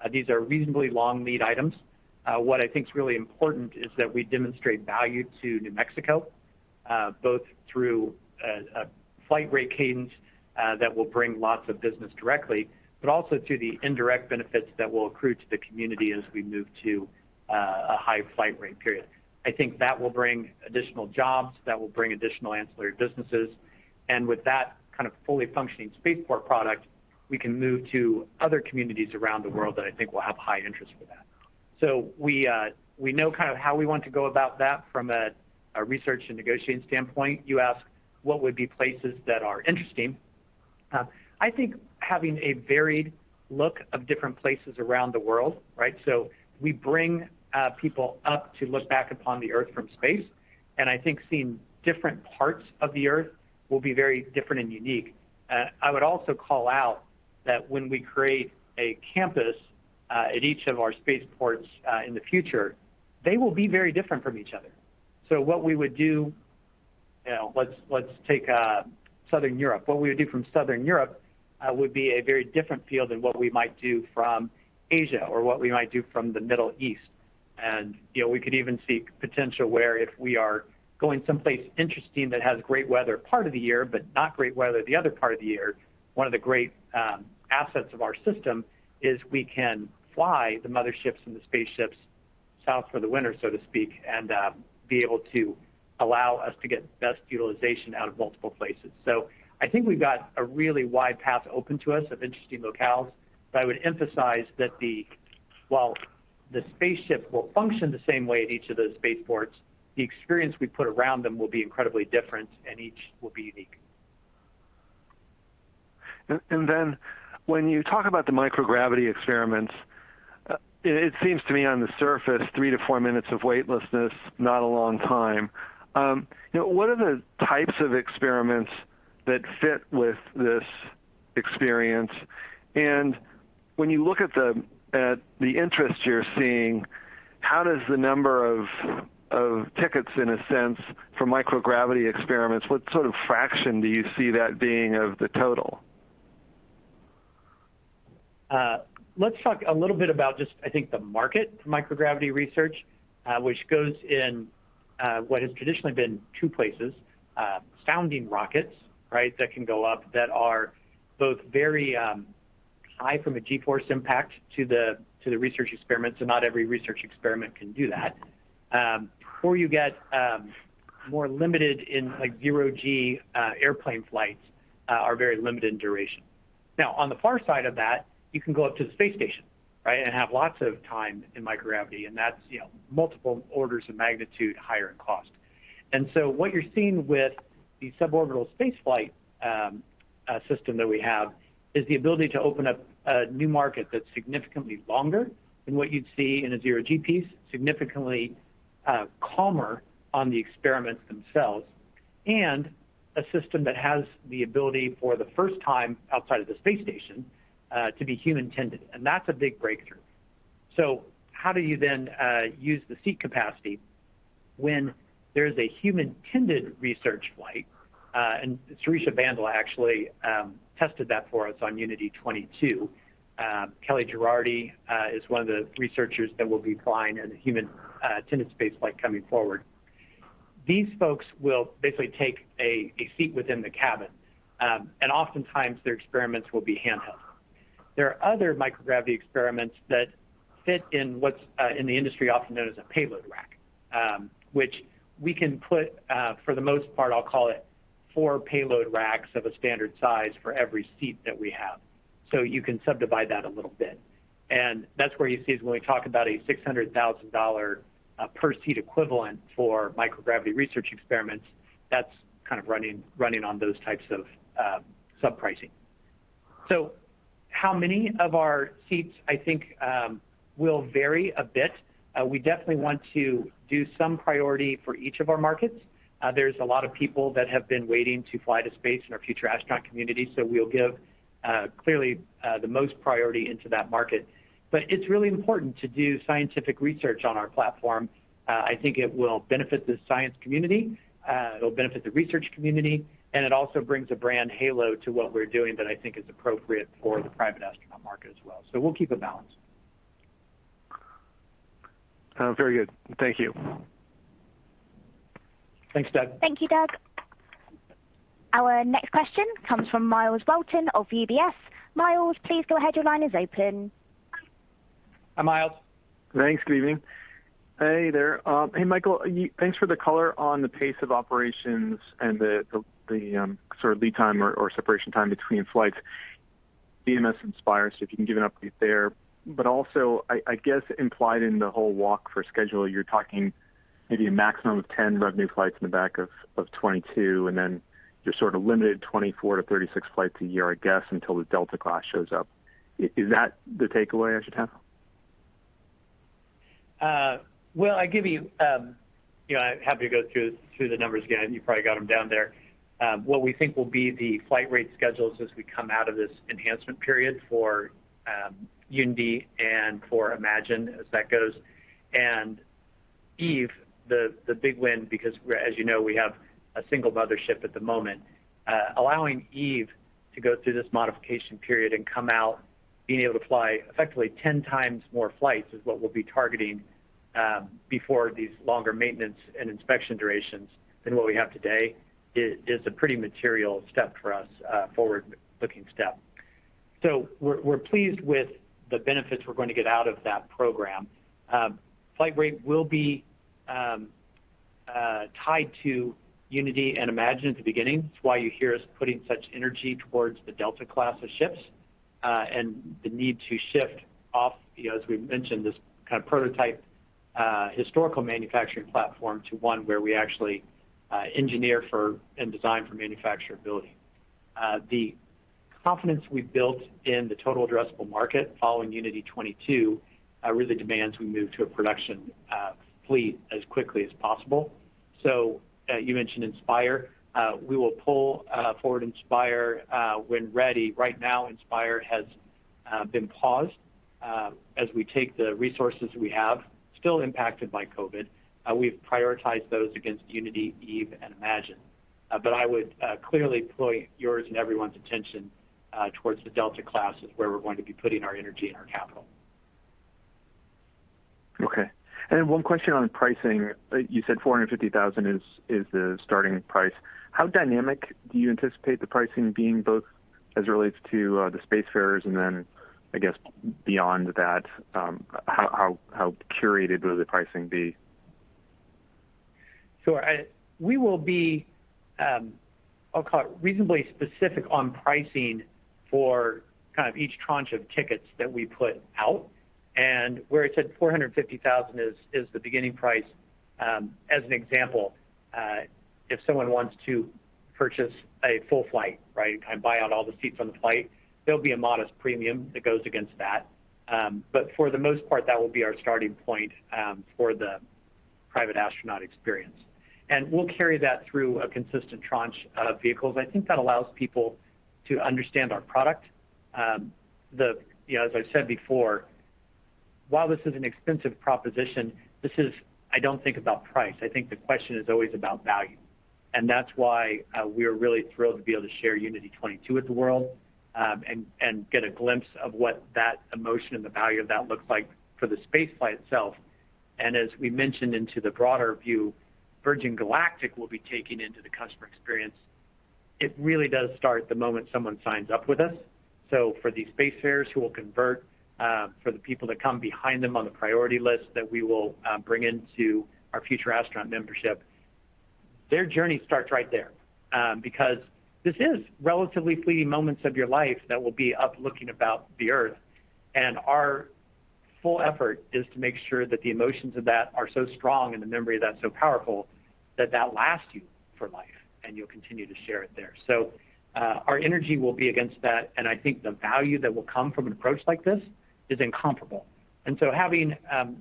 Speaker 3: These are reasonably long lead items. What I think is really important is that we demonstrate value to New Mexico, both through a flight rate cadence that will bring lots of business directly, but also to the indirect benefits that will accrue to the community as we move to a high flight rate period. I think that will bring additional jobs, that will bring additional ancillary businesses. With that kind of fully functioning spaceport product, we can move to other communities around the world that I think will have high interest for that. We know kind of how we want to go about that from a research and negotiating standpoint. You ask what would be places that are interesting. I think having a varied look of different places around the world, right? We bring people up to look back upon the Earth from space, and I think seeing different parts of the Earth will be very different and unique. I would also call out that when we create a campus at each of our space ports in the future, they will be very different from each other. Let's take Southern Europe. What we would do from Southern Europe would be a very different feel than what we might do from Asia or what we might do from the Middle East. We could even see potential where if we are going someplace interesting that has great weather part of the year but not great weather the other part of the year, one of the great assets of our system is we can fly the motherships and the spaceships south for the winter, so to speak, and be able to allow us to get best utilization out of multiple places. I think we've got a really wide path open to us of interesting locales, but I would emphasize that while the spaceship will function the same way at each of those spaceports, the experience we put around them will be incredibly different, and each will be unique.
Speaker 6: When you talk about the microgravity experiments, it seems to me on the surface three to four minutes of weightlessness, not a long time. What are the types of experiments that fit with this experience? When you look at the interest you're seeing, how does the number of tickets, in a sense, for microgravity experiments, what sort of fraction do you see that being of the total?
Speaker 3: Let's talk a little bit about just I think the market for microgravity research, which goes in what has traditionally been two places: sounding rockets that can go up that are both very high from a G-force impact to the research experiment, so not every research experiment can do that. You get more limited in, like, zero G airplane flights are very limited in duration. Now, on the far side of that, you can go up to the space station and have lots of time in microgravity, and that's multiple orders of magnitude higher in cost. What you're seeing with the suborbital space flight system that we have is the ability to open up a new market that's significantly longer than what you'd see in a zero G piece, significantly calmer on the experiments themselves, and a system that has the ability for the first time outside of the space station to be human tended, and that's a big breakthrough. How do you then use the seat capacity when there's a human tended research flight? Sirisha Bandla actually tested that for us on Unity 22. Kellie Gerardi is one of the researchers that will be flying in a human tended space flight coming forward. These folks will basically take a seat within the cabin, and oftentimes their experiments will be handheld. There are other microgravity experiments that fit in what's in the industry often known as a payload rack, which we can put, for the most part, I'll call it four payload racks of a standard size for every seat that we have. You can subdivide that a little bit. That's where you see, is when we talk about a $600,000 per seat equivalent for microgravity research experiments, that's kind of running on those types of sub-pricing. How many of our seats, I think, will vary a bit. We definitely want to do some priority for each of our markets. There's a lot of people that have been waiting to fly to space in our future astronaut community, so we'll give, clearly, the most priority into that market. It's really important to do scientific research on our platform. I think it will benefit the science community, it'll benefit the research community, and it also brings a brand halo to what we're doing that I think is appropriate for the private astronaut market as well. We'll keep it balanced.
Speaker 6: Very good. Thank you.
Speaker 3: Thanks, Doug.
Speaker 1: Thank you, Doug. Our next question comes from Myles Walton of UBS. Myles, please go ahead. Your line is open.
Speaker 3: Hi, Myles.
Speaker 7: Thanks. Good evening. Hey there. Hey, Michael, thanks for the color on the pace of operations and the sort of lead time or separation time between flights. VSS Inspire, if you can give an update there, but also, I guess implied in the whole walk for schedule, you're talking maybe a maximum of 10 revenue flights in the back of 2022, then you're sort of limited 24 to 36 flights a year, I guess, until the Delta class shows up. Is that the takeaway I should have?
Speaker 3: Well, I'm happy to go through the numbers again. You probably got them down there. What we think will be the flight rate schedules as we come out of this enhancement period for Unity and for Imagine as that goes. Eve, the big win, because as you know, we have a single mothership at the moment, allowing Eve to go through this modification period and come out being able to fly effectively 10x more flights is what we'll be targeting, before these longer maintenance and inspection durations than what we have today, is a pretty material step for us, a forward-looking step. We're pleased with the benefits we're going to get out of that program. Flight rate will be tied to Unity and Imagine at the beginning. It's why you hear us putting such energy towards the Delta class of ships, and the need to shift off, as we've mentioned, this kind of prototype historical manufacturing platform to one where we actually engineer for and design for manufacturability. The confidence we've built in the total addressable market following Unity 22 really demands we move to a production fleet as quickly as possible. You mentioned Inspire. We will pull forward Inspire when ready. Right now, Inspire has been paused as we take the resources we have, still impacted by COVID. We've prioritized those against Unity, Eve, and Imagine. I would clearly point yours and everyone's attention towards the Delta class is where we're going to be putting our energy and our capital.
Speaker 7: Okay. One question on pricing. You said $450,000 is the starting price. How dynamic do you anticipate the pricing being, both as it relates to the space fares and then I guess beyond that, how curated will the pricing be?
Speaker 3: We will be, I'll call it reasonably specific on pricing for kind of each tranche of tickets that we put out. Where I said $450,000 is the beginning price, as an example, if someone wants to purchase a full flight, right, kind of buy out all the seats on the flight, there'll be a modest premium that goes against that. For the most part, that will be our starting point for the private astronaut experience. We'll carry that through a consistent tranche of vehicles. I think that allows people to understand our product. As I've said before, while this is an expensive proposition, I don't think about price. I think the question is always about value. That's why we're really thrilled to be able to share Unity 22 with the world, and get a glimpse of what that emotion and the value of that looks like for the space flight itself. As we mentioned into the broader view, Virgin Galactic will be taking into the customer experience. It really does start the moment someone signs up with us. For the spacefarers who will convert, for the people that come behind them on the priority list that we will bring into our future astronaut membership, their journey starts right there. Because this is relatively fleeting moments of your life that will be up looking about the Earth. Our full effort is to make sure that the emotions of that are so strong and the memory of that so powerful that that lasts you for life and you'll continue to share it there. Our energy will be against that, and I think the value that will come from an approach like this is incomparable. Having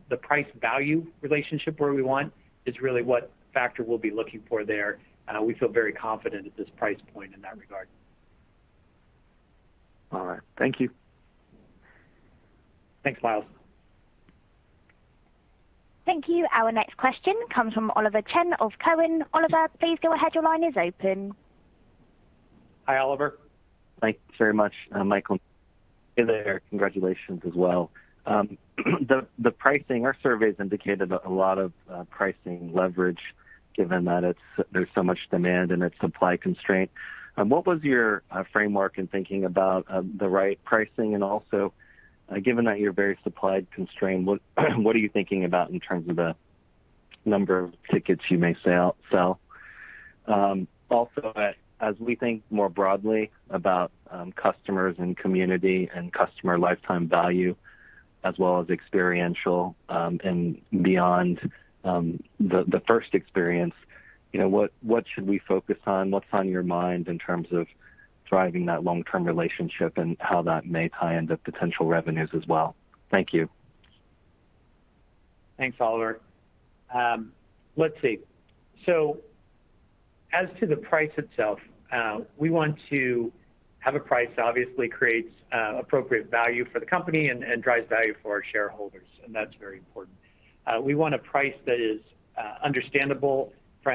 Speaker 3: the price-value relationship where we want is really what factor we'll be looking for there. We feel very confident at this price point in that regard.
Speaker 7: All right. Thank you.
Speaker 3: Thanks, Myles.
Speaker 1: Thank you. Our next question comes from Oliver Chen of Cowen. Oliver, please go ahead. Your line is open.
Speaker 3: Hi, Oliver.
Speaker 8: Thanks very much, Michael. Hey there. Congratulations as well. The pricing, our surveys indicated a lot of pricing leverage given that there's so much demand and it's supply constraint. What was your framework in thinking about the right pricing, and also, given that you're very supply constrained, what are you thinking about in terms of the number of tickets you may sell? Also, as we think more broadly about customers and community and customer lifetime value, as well as experiential, and beyond the first experience, what should we focus on? What's on your mind in terms of driving that long-term relationship and how that may tie into potential revenues as well? Thank you.
Speaker 3: Thanks, Oliver. Let's see. As to the price itself, we want to have a price that obviously creates appropriate value for the company and drives value for our shareholders, and that's very important. We want a price that is understandable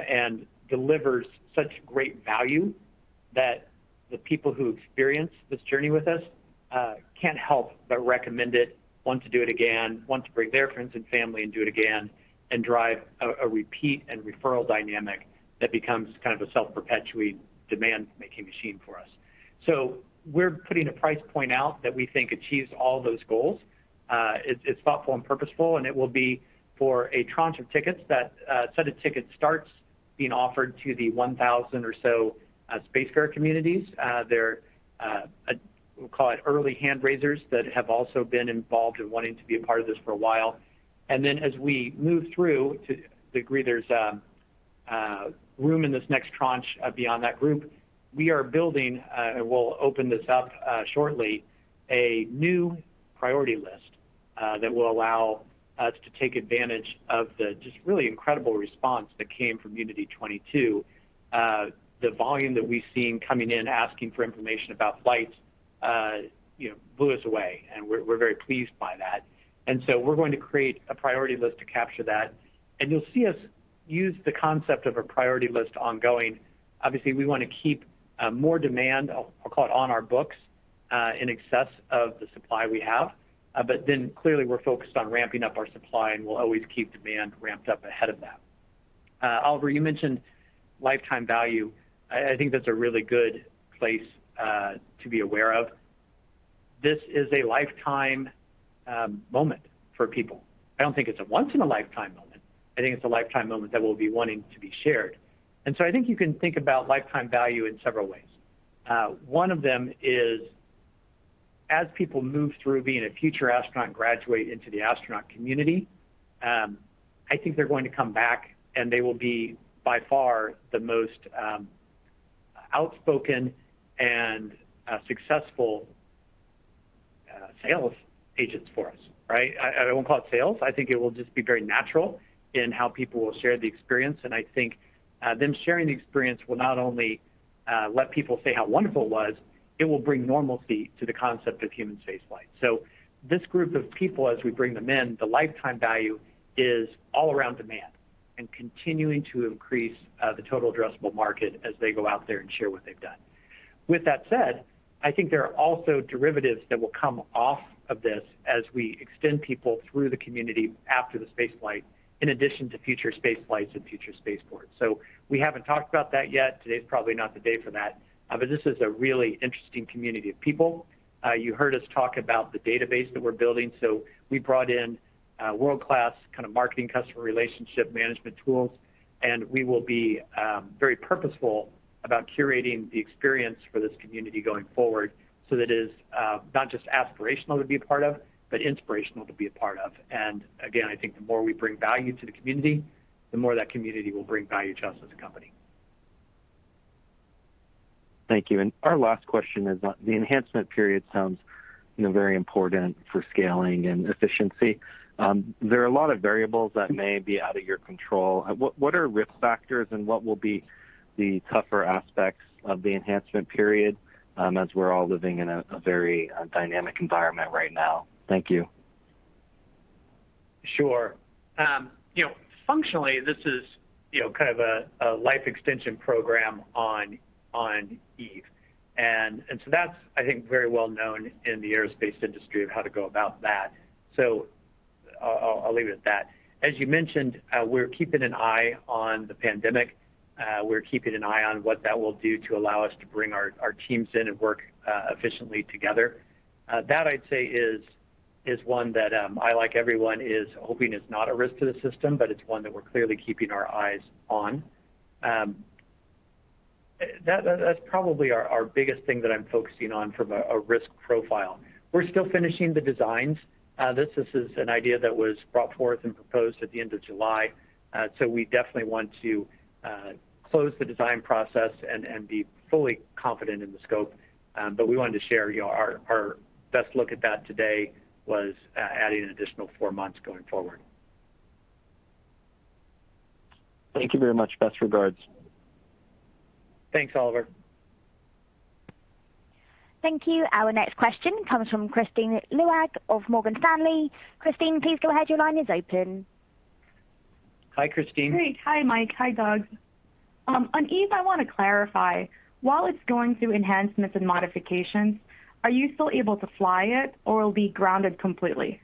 Speaker 3: and delivers such great value that the people who experience this journey with us can't help but recommend it, want to do it again, want to bring their friends and family and do it again, and drive a repeat and referral dynamic that becomes kind of a self-perpetuating demand-making machine for us. We're putting a price point out that we think achieves all those goals. It's thoughtful and purposeful, and it will be for a tranche of tickets. That set of tickets starts being offered to the 1,000 or so Spacefarer communities. They're, we'll call it early hand-raisers that have also been involved in wanting to be a part of this for a while. As we move through, to the degree there's room in this next tranche beyond that group, we are building, and we'll open this up shortly, a new priority list that will allow us to take advantage of the just really incredible response that came from Unity 22. The volume that we've seen coming in asking for information about flights blew us away, and we're very pleased by that. We're going to create a priority list to capture that, and you'll see us use the concept of a priority list ongoing. Obviously, we want to keep more demand, I'll call it on our books, in excess of the supply we have. Clearly we're focused on ramping up our supply, and we'll always keep demand ramped up ahead of that. Oliver, you mentioned lifetime value. I think that's a really good place to be aware of. This is a lifetime moment for people. I don't think it's a once in a lifetime moment. I think it's a lifetime moment that will be wanting to be shared. I think you can think about lifetime value in several ways. One of them is as people move through being a future astronaut and graduate into the astronaut community, I think they're going to come back, and they will be, by far, the most outspoken and successful sales agents for us, right. I won't call it sales. I think it will just be very natural in how people will share the experience, and I think them sharing the experience will not only let people say how wonderful it was, it will bring normalcy to the concept of human spaceflight. This group of people, as we bring them in, the lifetime value is all around demand and continuing to increase the total addressable market as they go out there and share what they've done. With that said, I think there are also derivatives that will come off of this as we extend people through the community after the spaceflight in addition to future spaceflights and future spaceports. We haven't talked about that yet. Today's probably not the day for that. This is a really interesting community of people. You heard us talk about the database that we're building, we brought in world-class kind of marketing customer relationship management tools, we will be very purposeful about curating the experience for this community going forward so that it is not just aspirational to be a part of, but inspirational to be a part of. Again, I think the more we bring value to the community, the more that community will bring value to us as a company.
Speaker 8: Thank you. Our last question is, the enhancement period sounds very important for scaling and efficiency. There are a lot of variables that may be out of your control. What are risk factors and what will be the tougher aspects of the enhancement period, as we're all living in a very dynamic environment right now? Thank you.
Speaker 3: Sure. Functionally, this is kind of a life extension program on Eve, and so that's, I think, very well known in the aerospace industry of how to go about that. I'll leave it at that. As you mentioned, we're keeping an eye on the pandemic. We're keeping an eye on what that will do to allow us to bring our teams in and work efficiently together. That I'd say is one that I, like everyone, is hoping is not a risk to the system, but it's one that we're clearly keeping our eyes on. That's probably our biggest thing that I'm focusing on from a risk profile. We're still finishing the designs. This is an idea that was brought forth and proposed at the end of July. We definitely want to close the design process and be fully confident in the scope. We wanted to share our best look at that today was adding an additional four months going forward.
Speaker 8: Thank you very much. Best regards.
Speaker 3: Thanks, Oliver.
Speaker 1: Thank you. Our next question comes from Kristine Liwag of Morgan Stanley. Kristine, please go ahead. Your line is open.
Speaker 3: Hi, Kristine.
Speaker 9: Great. Hi, Mike. Hi, Doug. On Eve, I want to clarify, while it's going through enhancements and modifications, are you still able to fly it, or it'll be grounded completely?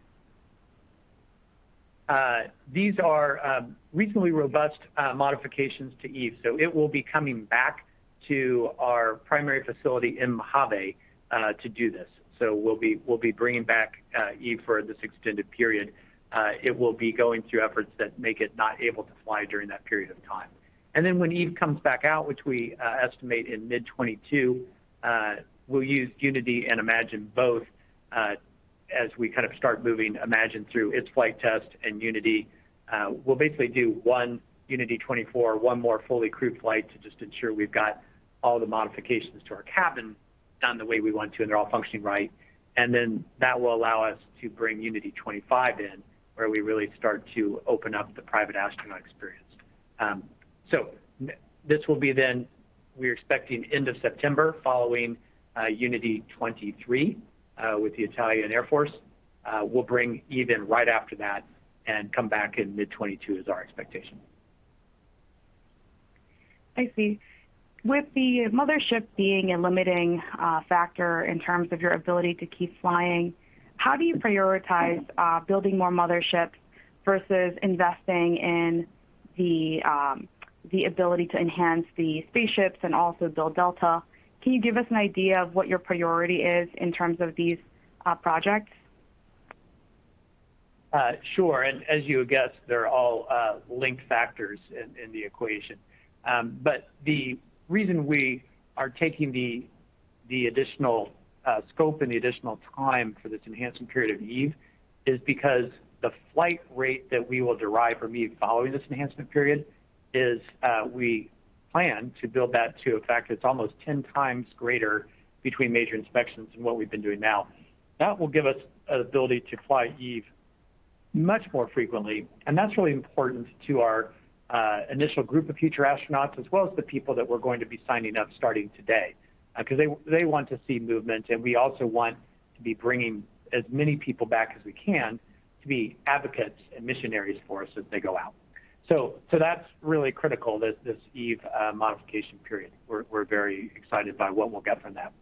Speaker 3: These are reasonably robust modifications to Eve, it will be coming back to our primary facility in Mojave to do this. We'll be bringing back Eve for this extended period. It will be going through efforts that make it not able to fly during that period of time. When Eve comes back out, which we estimate in mid 2022, we'll use Unity and Imagine both as we kind of start moving Imagine through its flight test and Unity. We'll basically do one Unity 24, one more fully crewed flight to just ensure we've got all the modifications to our cabin done the way we want to, and they're all functioning right. That will allow us to bring Unity 25 in, where we really start to open up the private astronaut experience. This will be then, we're expecting end of September following Unity 23 with the Italian Air Force. We'll bring Eve in right after that and come back in mid 2022 is our expectation.
Speaker 9: I see. With the mothership being a limiting factor in terms of your ability to keep flying, how do you prioritize building more motherships versus investing in the ability to enhance the spaceships and also build Delta? Can you give us an idea of what your priority is in terms of these projects?
Speaker 3: Sure. As you would guess, they're all linked factors in the equation. The reason we are taking the additional scope and the additional time for this enhancement period of Eve is because the flight rate that we will derive from Eve following this enhancement period is, we plan to build that to a factor that's almost 10x greater between major inspections than what we've been doing now. That will give us an ability to fly Eve much more frequently, and that's really important to our initial group of future astronauts, as well as the people that we're going to be signing up starting today. They want to see movement, and we also want to be bringing as many people back as we can to be advocates and missionaries for us as they go out. That's really critical, this Eve modification period. We're very excited by what we'll get from that.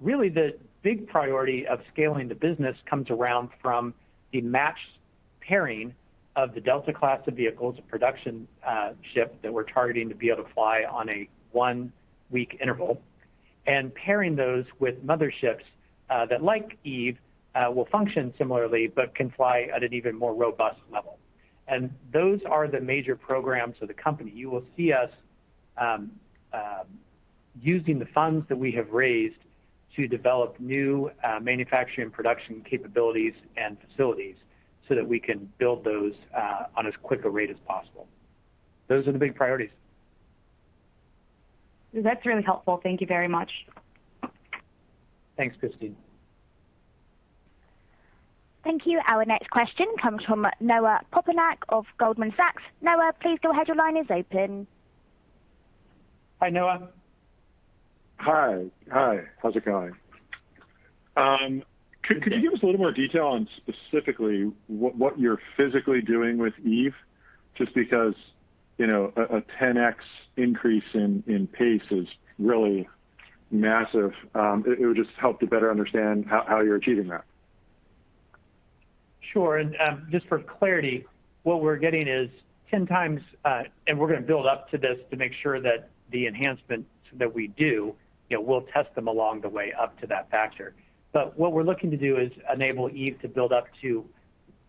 Speaker 3: Really the big priority of scaling the business comes around from the matched pairing of the Delta class of vehicles, a production ship that we're targeting to be able to fly on a one-week interval, and pairing those with motherships that, like Eve, will function similarly, but can fly at an even more robust level. Those are the major programs of the company. You will see us using the funds that we have raised to develop new manufacturing production capabilities and facilities so that we can build those on as quick a rate as possible. Those are the big priorities.
Speaker 9: That's really helpful. Thank you very much.
Speaker 3: Thanks, Kristine.
Speaker 1: Thank you. Our next question comes from Noah Poponak of Goldman Sachs. Noah, please go ahead. Your line is open.
Speaker 3: Hi, Noah.
Speaker 10: Hi. How's it going? Could you give us a little more detail on specifically what you're physically doing with Eve, just because a 10x increase in pace is really massive. It would just help to better understand how you're achieving that.
Speaker 3: Sure. Just for clarity, what we're getting is 10x. We're going to build up to this to make sure that the enhancements that we do, we'll test them along the way up to that factor. What we're looking to do is enable Eve to build up to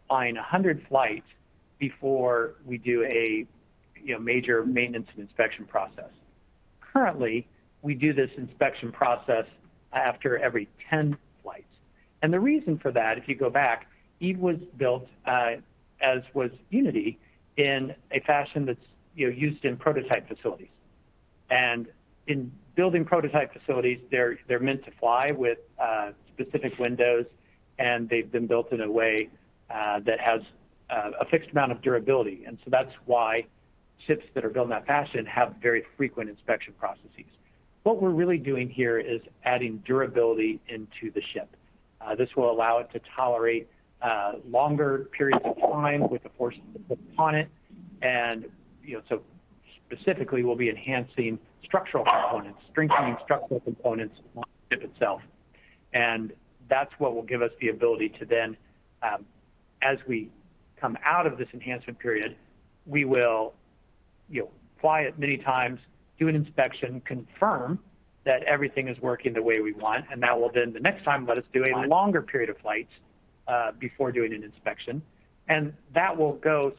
Speaker 3: flying 100 flights before we do a major maintenance and inspection process. Currently, we do this inspection process after every 10 flights. The reason for that, if you go back, Eve was built, as was Unity, in a fashion that's used in prototype facilities. In building prototype facilities, they're meant to fly with specific windows, and they've been built in a way that has a fixed amount of durability. That's why ships that are built in that fashion have very frequent inspection processes. What we're really doing here is adding durability into the ship. This will allow it to tolerate longer periods of time with the forces that put upon it. Specifically, we'll be enhancing structural components, strengthening structural components along the ship itself. That's what will give us the ability to then, as we come out of this enhancement period, we will fly it many times, do an inspection, confirm that everything is working the way we want, and that will then the next time let us do a longer period of flights before doing an inspection. That will go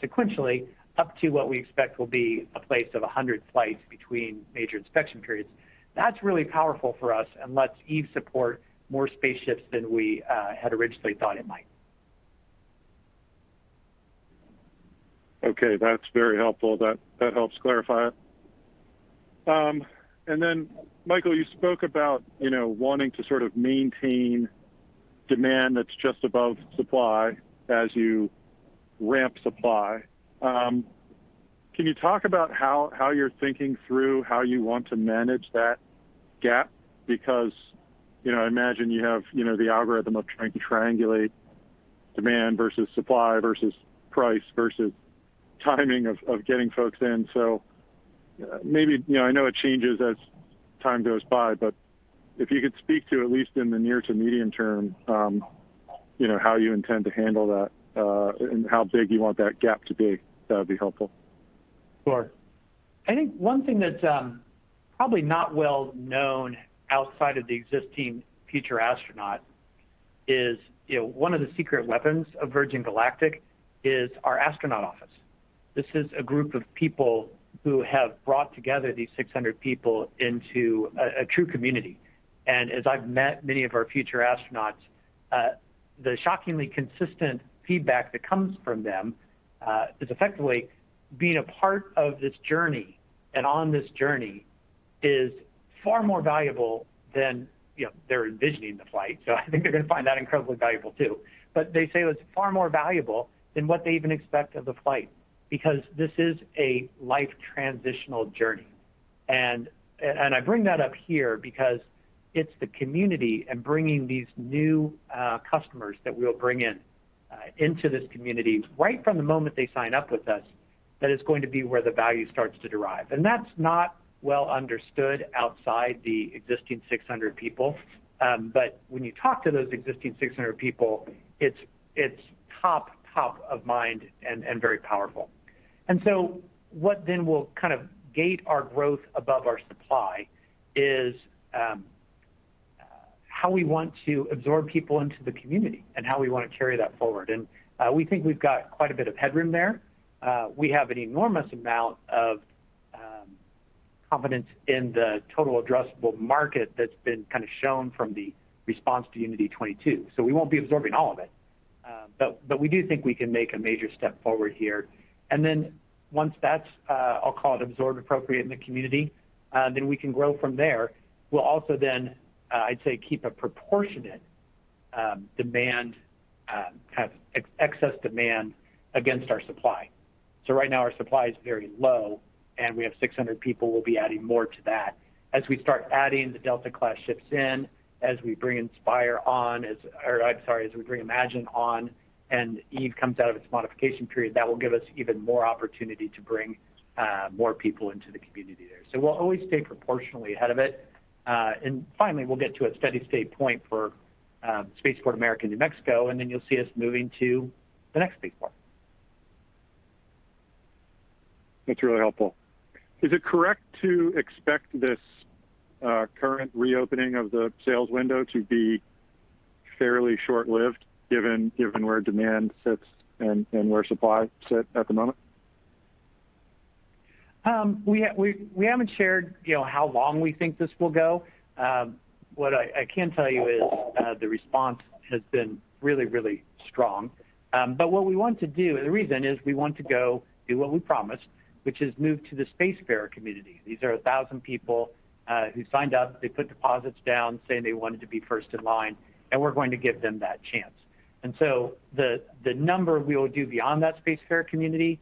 Speaker 3: sequentially up to what we expect will be a place of 100 flights between major inspection periods. That's really powerful for us and lets Eve support more spaceships than we had originally thought it might.
Speaker 10: Okay. That's very helpful. That helps clarify it. Then Michael, you spoke about wanting to sort of maintain demand that's just above supply as you ramp supply. Can you talk about how you're thinking through how you want to manage that gap? I imagine you have the algorithm of trying to triangulate demand versus supply versus price versus timing of getting folks in. Maybe, I know it changes as time goes by, but if you could speak to, at least in the near to medium term, how you intend to handle that, and how big you want that gap to be, that would be helpful.
Speaker 3: Sure. I think one thing that's probably not well-known outside of the existing future astronaut is one of the secret weapons of Virgin Galactic is our astronaut office. This is a group of people who have brought together these 600 people into a true community. As I've met many of our future astronauts, the shockingly consistent feedback that comes from them, is effectively being a part of this journey, and on this journey is far more valuable than. They're envisioning the flight, I think they're going to find that incredibly valuable too. They say it's far more valuable than what they even expect of the flight, because this is a life transitional journey. I bring that up here because it's the community and bringing these new customers that we'll bring in, into this community right from the moment they sign up with us, that is going to be where the value starts to derive. That's not well understood outside the existing 600 people. When you talk to those existing 600 people, it's top of mind and very powerful. What then will kind of gate our growth above our supply is how we want to absorb people into the community, and how we want to carry that forward. We think we've got quite a bit of headroom there. We have an enormous amount of confidence in the total addressable market that's been kind of shown from the response to Unity 22. We won't be absorbing all of it. We do think we can make a major step forward here. Once that's absorbed appropriate in the community, then we can grow from there. We'll also then keep a proportionate demand, kind of excess demand against our supply. Right now our supply is very low, and we have 600 people. We'll be adding more to that. As we start adding the Delta class ships in, as we bring Inspire on, as we bring Imagine on, and Eve comes out of its modification period, that will give us even more opportunity to bring more people into the community there. We'll always stay proportionally ahead of it. Finally, we'll get to a steady state point for Spaceport America, New Mexico, and then you'll see us moving to the next big part.
Speaker 10: That's really helpful. Is it correct to expect this current reopening of the sales window to be fairly short-lived given where demand sits and where supply sit at the moment?
Speaker 3: We haven't shared how long we think this will go. What I can tell you is the response has been really, really strong. What we want to do, the reason is we want to go do what we promised, which is move to the Spacefarer community. These are 1,000 people who signed up. They put deposits down saying they wanted to be first in line, and we're going to give them that chance. The number we will do beyond that Spacefarer community,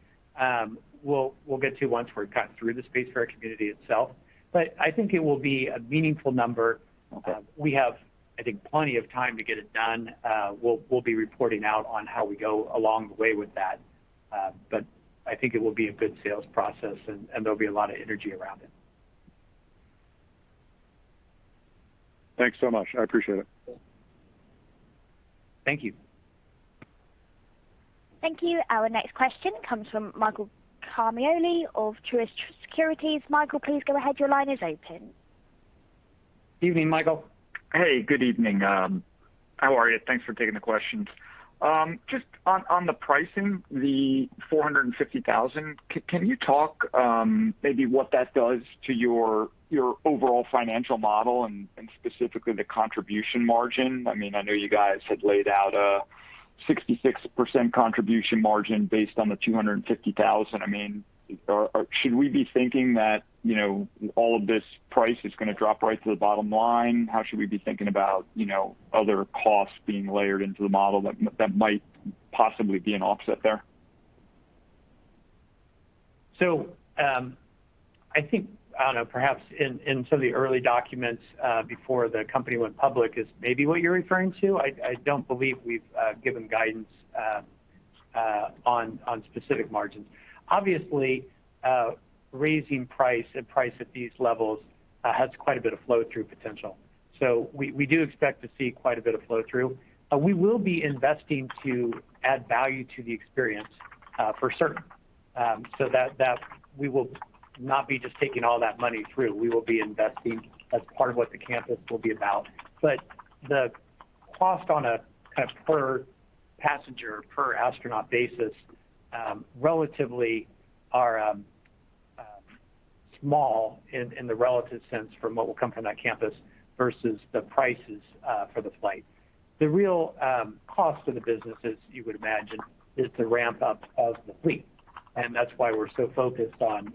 Speaker 3: we'll get to once we're kind of through the Spacefarer community itself, but I think it will be a meaningful number.
Speaker 10: Okay.
Speaker 3: We have, I think, plenty of time to get it done. We'll be reporting out on how we go along the way with that. I think it will be a good sales process and there'll be a lot of energy around it.
Speaker 10: Thanks so much. I appreciate it.
Speaker 3: Thank you.
Speaker 1: Thank you. Our next question comes from Michael Ciarmoli of Truist Securities. Michael, please go ahead. Your line is open.
Speaker 3: Evening, Michael.
Speaker 11: Hey, good evening. How are you? Thanks for taking the questions. Just on the pricing, the $450,000, can you talk maybe what that does to your overall financial model and specifically the contribution margin? I know you guys had laid out a 66% contribution margin based on the $250,000. Should we be thinking that all of this price is going to drop right to the bottom line? How should we be thinking about other costs being layered into the model that might possibly be an offset there?
Speaker 3: I think perhaps in some of the early documents before the company went public is maybe what you're referring to. I don't believe we've given guidance on specific margins. Obviously, raising price at these levels has quite a bit of flow through potential. We do expect to see quite a bit of flow through. We will be investing to add value to the experience, for certain. That we will not be just taking all that money through. We will be investing as part of what the campus will be about. The cost on a kind of per passenger, per astronaut basis, relatively are small in the relative sense from what will come from that campus versus the prices for the flight. The real cost of the business, as you would imagine, is the ramp-up of the fleet. That's why we're so focused on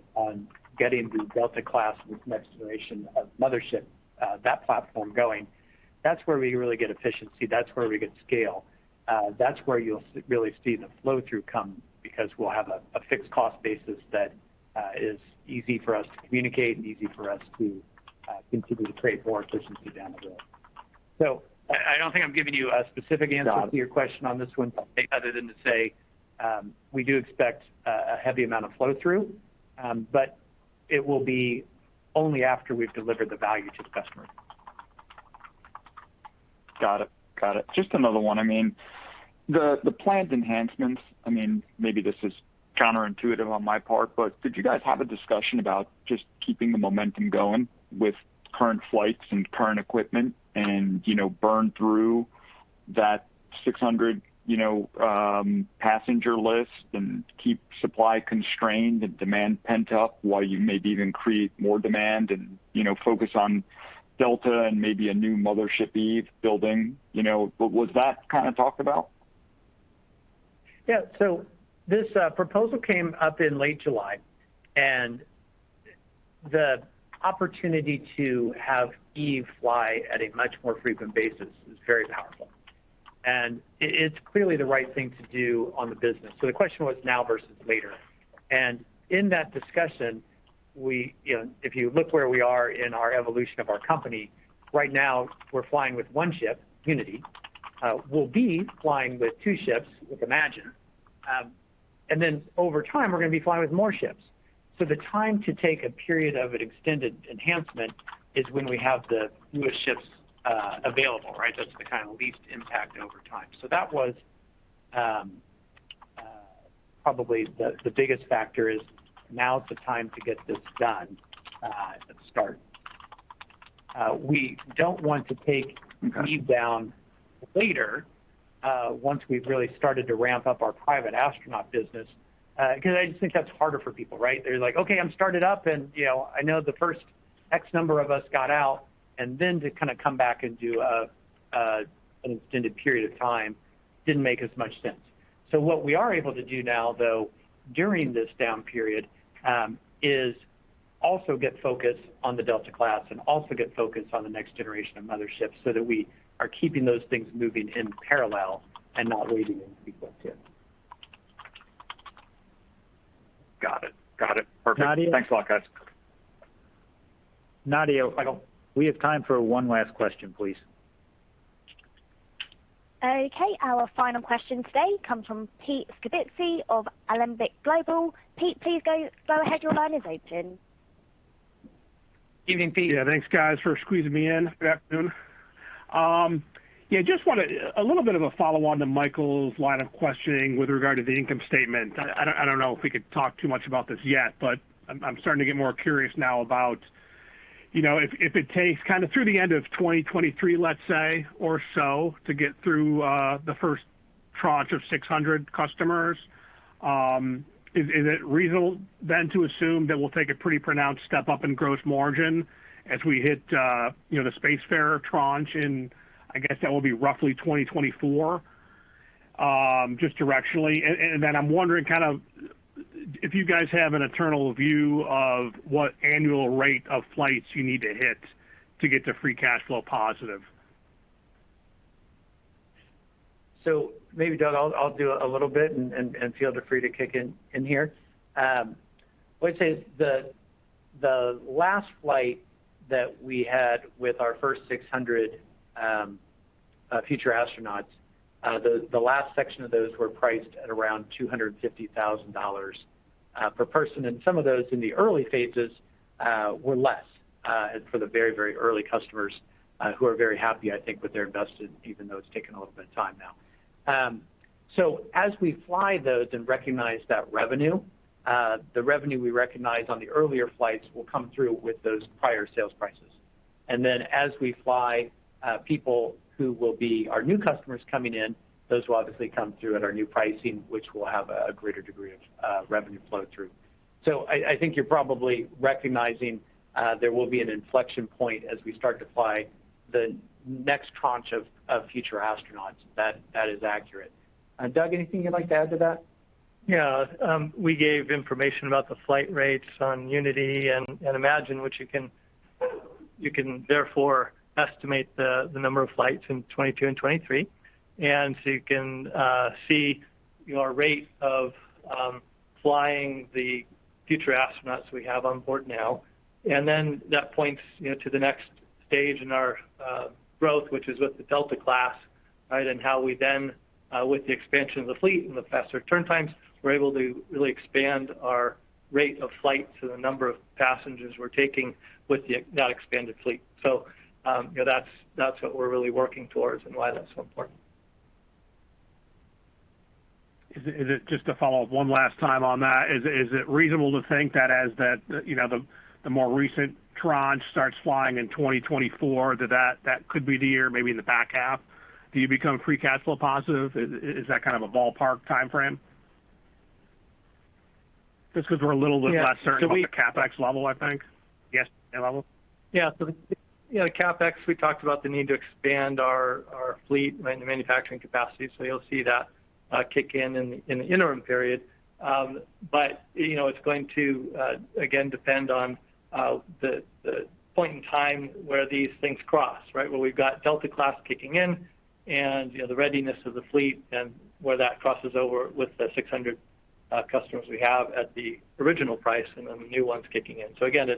Speaker 3: getting the Delta class with the next generation of mothership, that platform going. That's where we really get efficiency. That's where we get scale. That's where you'll really see the flow-through come, because we'll have a fixed cost basis that is easy for us to communicate and easy for us to continue to create more efficiency down the road. I don't think I'm giving you a specific answer.
Speaker 11: Got it.
Speaker 3: to your question on this one, other than to say, we do expect a heavy amount of flow-through, but it will be only after we've delivered the value to the customer.
Speaker 11: Got it. Just another one. The planned enhancements, maybe this is counterintuitive on my part, but did you guys have a discussion about just keeping the momentum going with current flights and current equipment and burn through that 600 passenger list and keep supply constrained and demand pent up while you maybe even create more demand and focus on Delta and maybe a new Mothership Eve building. Was that kind of talked about?
Speaker 3: Yeah. This proposal came up in late July, and the opportunity to have Eve fly at a much more frequent basis is very powerful. It's clearly the right thing to do on the business. The question was now versus later. In that discussion, if you look where we are in our evolution of our company, right now, we're flying with one ship, Unity. We'll be flying with two ships with Imagine. Over time, we're going to be flying with more ships. The time to take a period of an extended enhancement is when we have the newest ships available. That's the kind of least impact over time. That was probably the biggest factor is now's the time to get this done at the start. We don't want to take Eve down later, once we've really started to ramp up our private astronaut business, because I just think that's harder for people. They're like, "Okay, I'm started up, and I know the first X number of us got out," and then to kind of come back and do an extended period of time didn't make as much sense. What we are able to do now, though, during this down period, is also get focused on the Delta class and also get focused on the next generation of motherships so that we are keeping those things moving in parallel and not waiting in sequence.
Speaker 11: Got it. Perfect.
Speaker 3: Nadia-
Speaker 11: Thanks a lot, guys.
Speaker 3: Nadia- We have time for one last question, please.
Speaker 1: Okay. Our final question today comes from Pete Skibitski of Alembic Global. Pete, please go ahead. Your line is open.
Speaker 3: Evening, Pete.
Speaker 12: Thanks guys for squeezing me in. Good afternoon. Just wanted a little bit of a follow-on to Michael's line of questioning with regard to the income statement. I don't know if we could talk too much about this yet, I'm starting to get more curious now about if it takes kind of through the end of 2023, let's say, or so to get through the first tranche of 600 customers, is it reasonable then to assume that we'll take a pretty pronounced step-up in gross margin as we hit the Spacefarer tranche in, I guess that will be roughly 2024, just directionally. I'm wondering if you guys have an internal view of what annual rate of flights you need to hit to get to free cash flow positive.
Speaker 3: Maybe, Doug, I'll do a little bit and feel free to kick in here. I would say the last flight that we had with our first 600 future astronauts, the last section of those were priced at around $250,000 per person, and some of those in the early phases were less for the very early customers, who are very happy, I think, with their investment, even though it's taken a little bit of time now. As we fly those and recognize that revenue, the revenue we recognize on the earlier flights will come through with those prior sales prices. Then as we fly people who will be our new customers coming in, those will obviously come through at our new pricing, which will have a greater degree of revenue flow through. I think you're probably recognizing there will be an inflection point as we start to fly the next tranche of future astronauts. That is accurate. Doug, anything you'd like to add to that?
Speaker 4: Yeah. We gave information about the flight rates on Unity and Imagine, which you can therefore estimate the number of flights in 2022 and 2023. You can see our rate of flying the future astronauts we have on board now. That points to the next stage in our growth, which is with the Delta class, and how we then, with the expansion of the fleet and the faster turn times, we're able to really expand our rate of flight to the number of passengers we're taking with that expanded fleet. That's what we're really working towards and why that's so important.
Speaker 12: Just to follow up one last time on that, is it reasonable to think that as the more recent tranche starts flying in 2024, that could be the year, maybe in the back half, do you become free cash flow positive? Is that kind of a ballpark timeframe?
Speaker 4: Yeah
Speaker 12: about the CapEx level, I think.
Speaker 3: Yes.
Speaker 12: Level.
Speaker 4: The CapEx, we talked about the need to expand our fleet manufacturing capacity, so you'll see that kick in the interim period. It's going to, again, depend on the point in time where these things cross. Where we've got Delta class kicking in and the readiness of the fleet and where that crosses over with the 600 customers we have at the original price, and then the new ones kicking in. Again,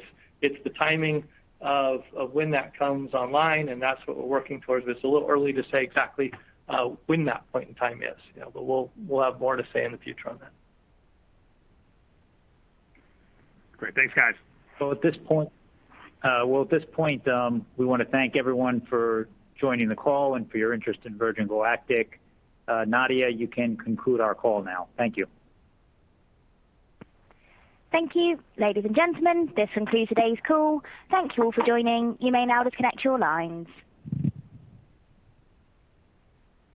Speaker 4: it's the timing of when that comes online, and that's what we're working towards, but it's a little early to say exactly when that point in time is. We'll have more to say in the future on that.
Speaker 12: Great. Thanks, guys.
Speaker 3: Well, at this point, we want to thank everyone for joining the call and for your interest in Virgin Galactic. Nadia, you can conclude our call now. Thank you.
Speaker 1: Thank you, ladies and gentlemen. This concludes today's call. Thank you all for joining. You may now disconnect your lines.